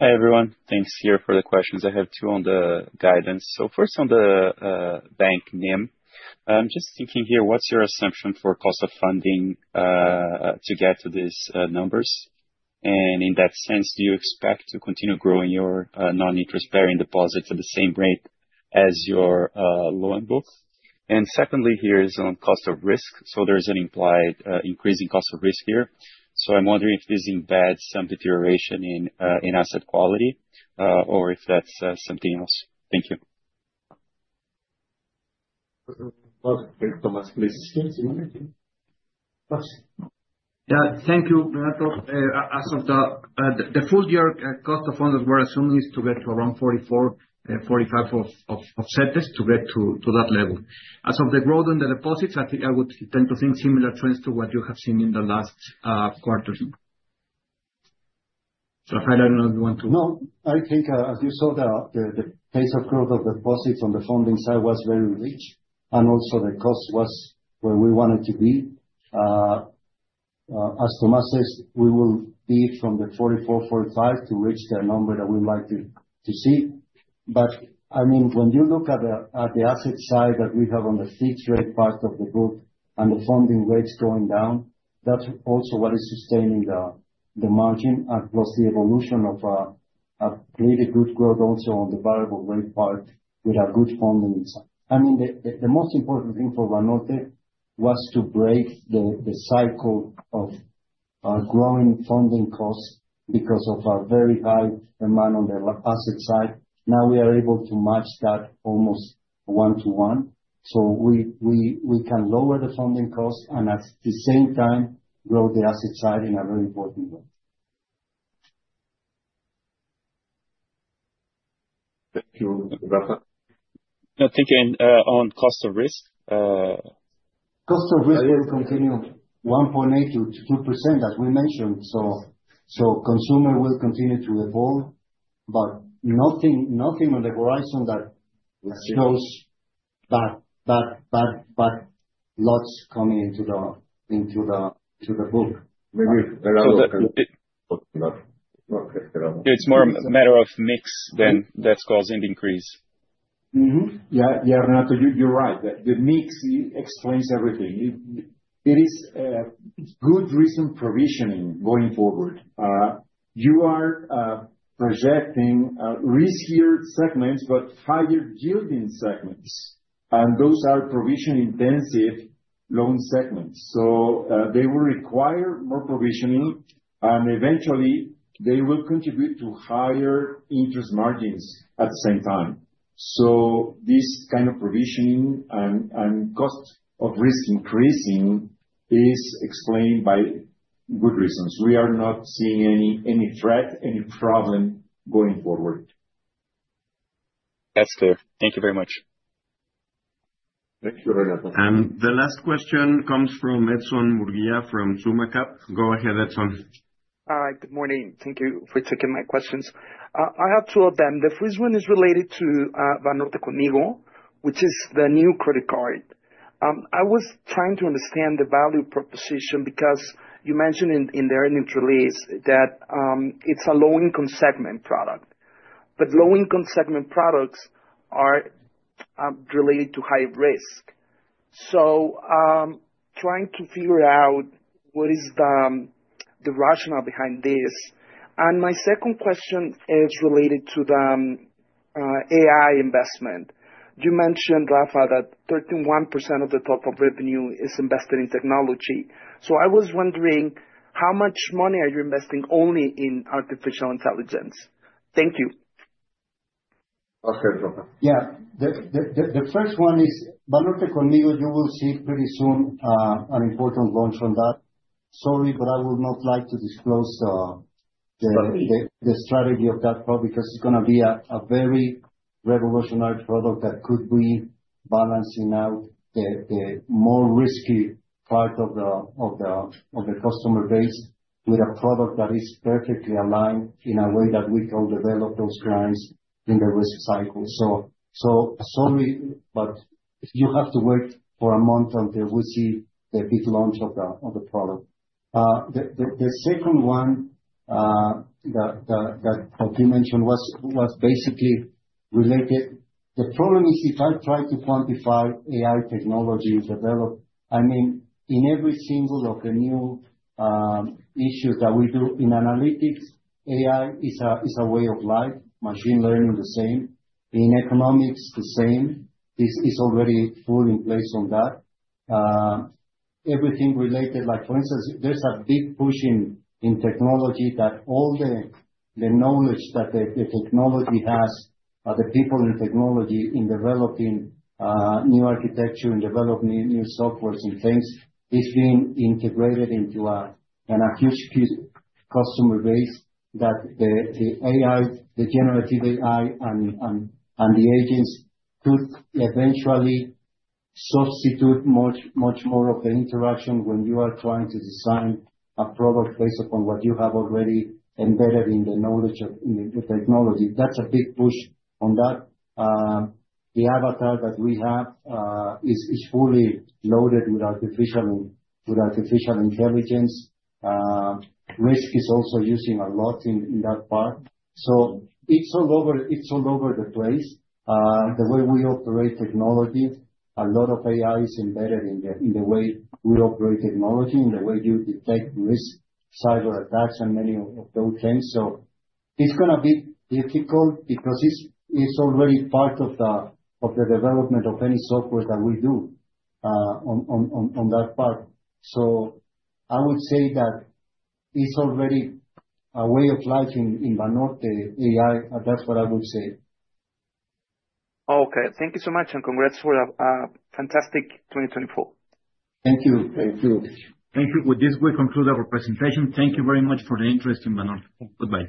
Hi, everyone. Thanks here for the questions. I have two on the guidance. So first, on the NIM, I'm just thinking here, what's your assumption for cost of funding to get to these numbers? In that sense, do you expect to continue growing your non-interest-bearing deposits at the same rate as your loan book? And secondly, here's on cost of risk. So there's an implied increase in cost of risk here. So I'm wondering if this embeds some deterioration in asset quality or if that's something else. Thank you. Yeah. Thank you, Renato. As for the full year, cost of funds that we're assuming is to get to around 44-45 offsets to get to that level. As for the growth in the deposits, I think I would tend to think similar trends to what you have seen in the last quarter. Rafael, I don't know if you want to. No, I think, as you saw, the pace of growth of deposits on the funding side was very rich, and also the cost was where we wanted to be. As Tomás says, we will be from the 44-45 to reach the number that we'd like to see. But I mean, when you look at the asset side that we have on the fixed rate part of the book and the funding rates going down, that's also what is sustaining the margin across the evolution of a pretty good growth also on the variable rate part with a good funding. I mean, the most important thing for Banorte was to break the cycle of growing funding costs because of a very high demand on the asset side. Now we are able to match that almost one-to-one. So we can lower the funding cost and at the same time grow the asset side in a very important way. Thank you, Rafa. No, thank you. And on cost of risk? Cost of risk will continue 1.8%-2%, as we mentioned. So consumer will continue to evolve, but nothing on the horizon that shows bad loans coming into the book. It's more a matter of mix and that's causing the increase? Yeah. Yeah, Renato, you're right. The mix explains everything. It is good reason provisioning going forward. You are projecting riskier segments, but higher yielding segments, and those are provision-intensive loan segments. So they will require more provisioning, and eventually, they will contribute to higher interest margins at the same time. So this kind of provisioning and cost of risk increasing is explained by good reasons. We are not seeing any threat, any problem going forward. That's clear. Thank you very much. Thank you, Renato. And the last question comes from Edson Murguía from SummaCap. Go ahead, Edson. Hi. Good morning. Thank you for taking my questions. I have two of them. The first one is related to Banorte Conmigo, which is the new credit card. I was trying to understand the value proposition because you mentioned in the earnings release that it's a low-income segment product. But low-income segment products are related to high risk. So trying to figure out what is the rationale behind this. And my second question is related to the AI investment. You mentioned, Rafa, that 31% of the total revenue is invested in technology. So I was wondering, how much money are you investing only in artificial intelligence? Thank you. Okay. Yeah. The first one is Banorte Conmigo, you will see pretty soon an important launch on that. Sorry, but I would not like to disclose the strategy of that product because it's going to be a very revolutionary product that could be balancing out the more risky part of the customer base with a product that is perfectly aligned in a way that we can develop those clients in the risk cycle. So sorry, but you have to wait for a month until we see the big launch of the product. The second one that you mentioned was basically related. The problem is if I try to quantify AI technology developed, I mean, in every single of the new issues that we do in analytics, AI is a way of life. Machine learning, the same. In economics, the same. This is already fully in place on that. Everything related, for instance. There's a big push in technology that all the knowledge that the technology has, the people in technology in developing new architecture, in developing new software and things, is being integrated into a huge customer base that the generative AI and the agents could eventually substitute much more of the interaction when you are trying to design a product based upon what you have already embedded in the knowledge of the technology. That's a big push on that. The avatar that we have is fully loaded with artificial intelligence. Risk is also using a lot in that part. So it's all over the place. The way we operate technology, a lot of AI is embedded in the way we operate technology, in the way you detect risk, cyber attacks, and many of those things. So it's going to be difficult because it's already part of the development of any software that we do on that part. So I would say that it's already a way of life in Banorte AI. That's what I would say. Okay. Thank you so much, and congrats for a fantastic 2024. Thank you. Thank you. Thank you. With this, we conclude our presentation. Thank you very much for the interest in Banorte. Bye-bye.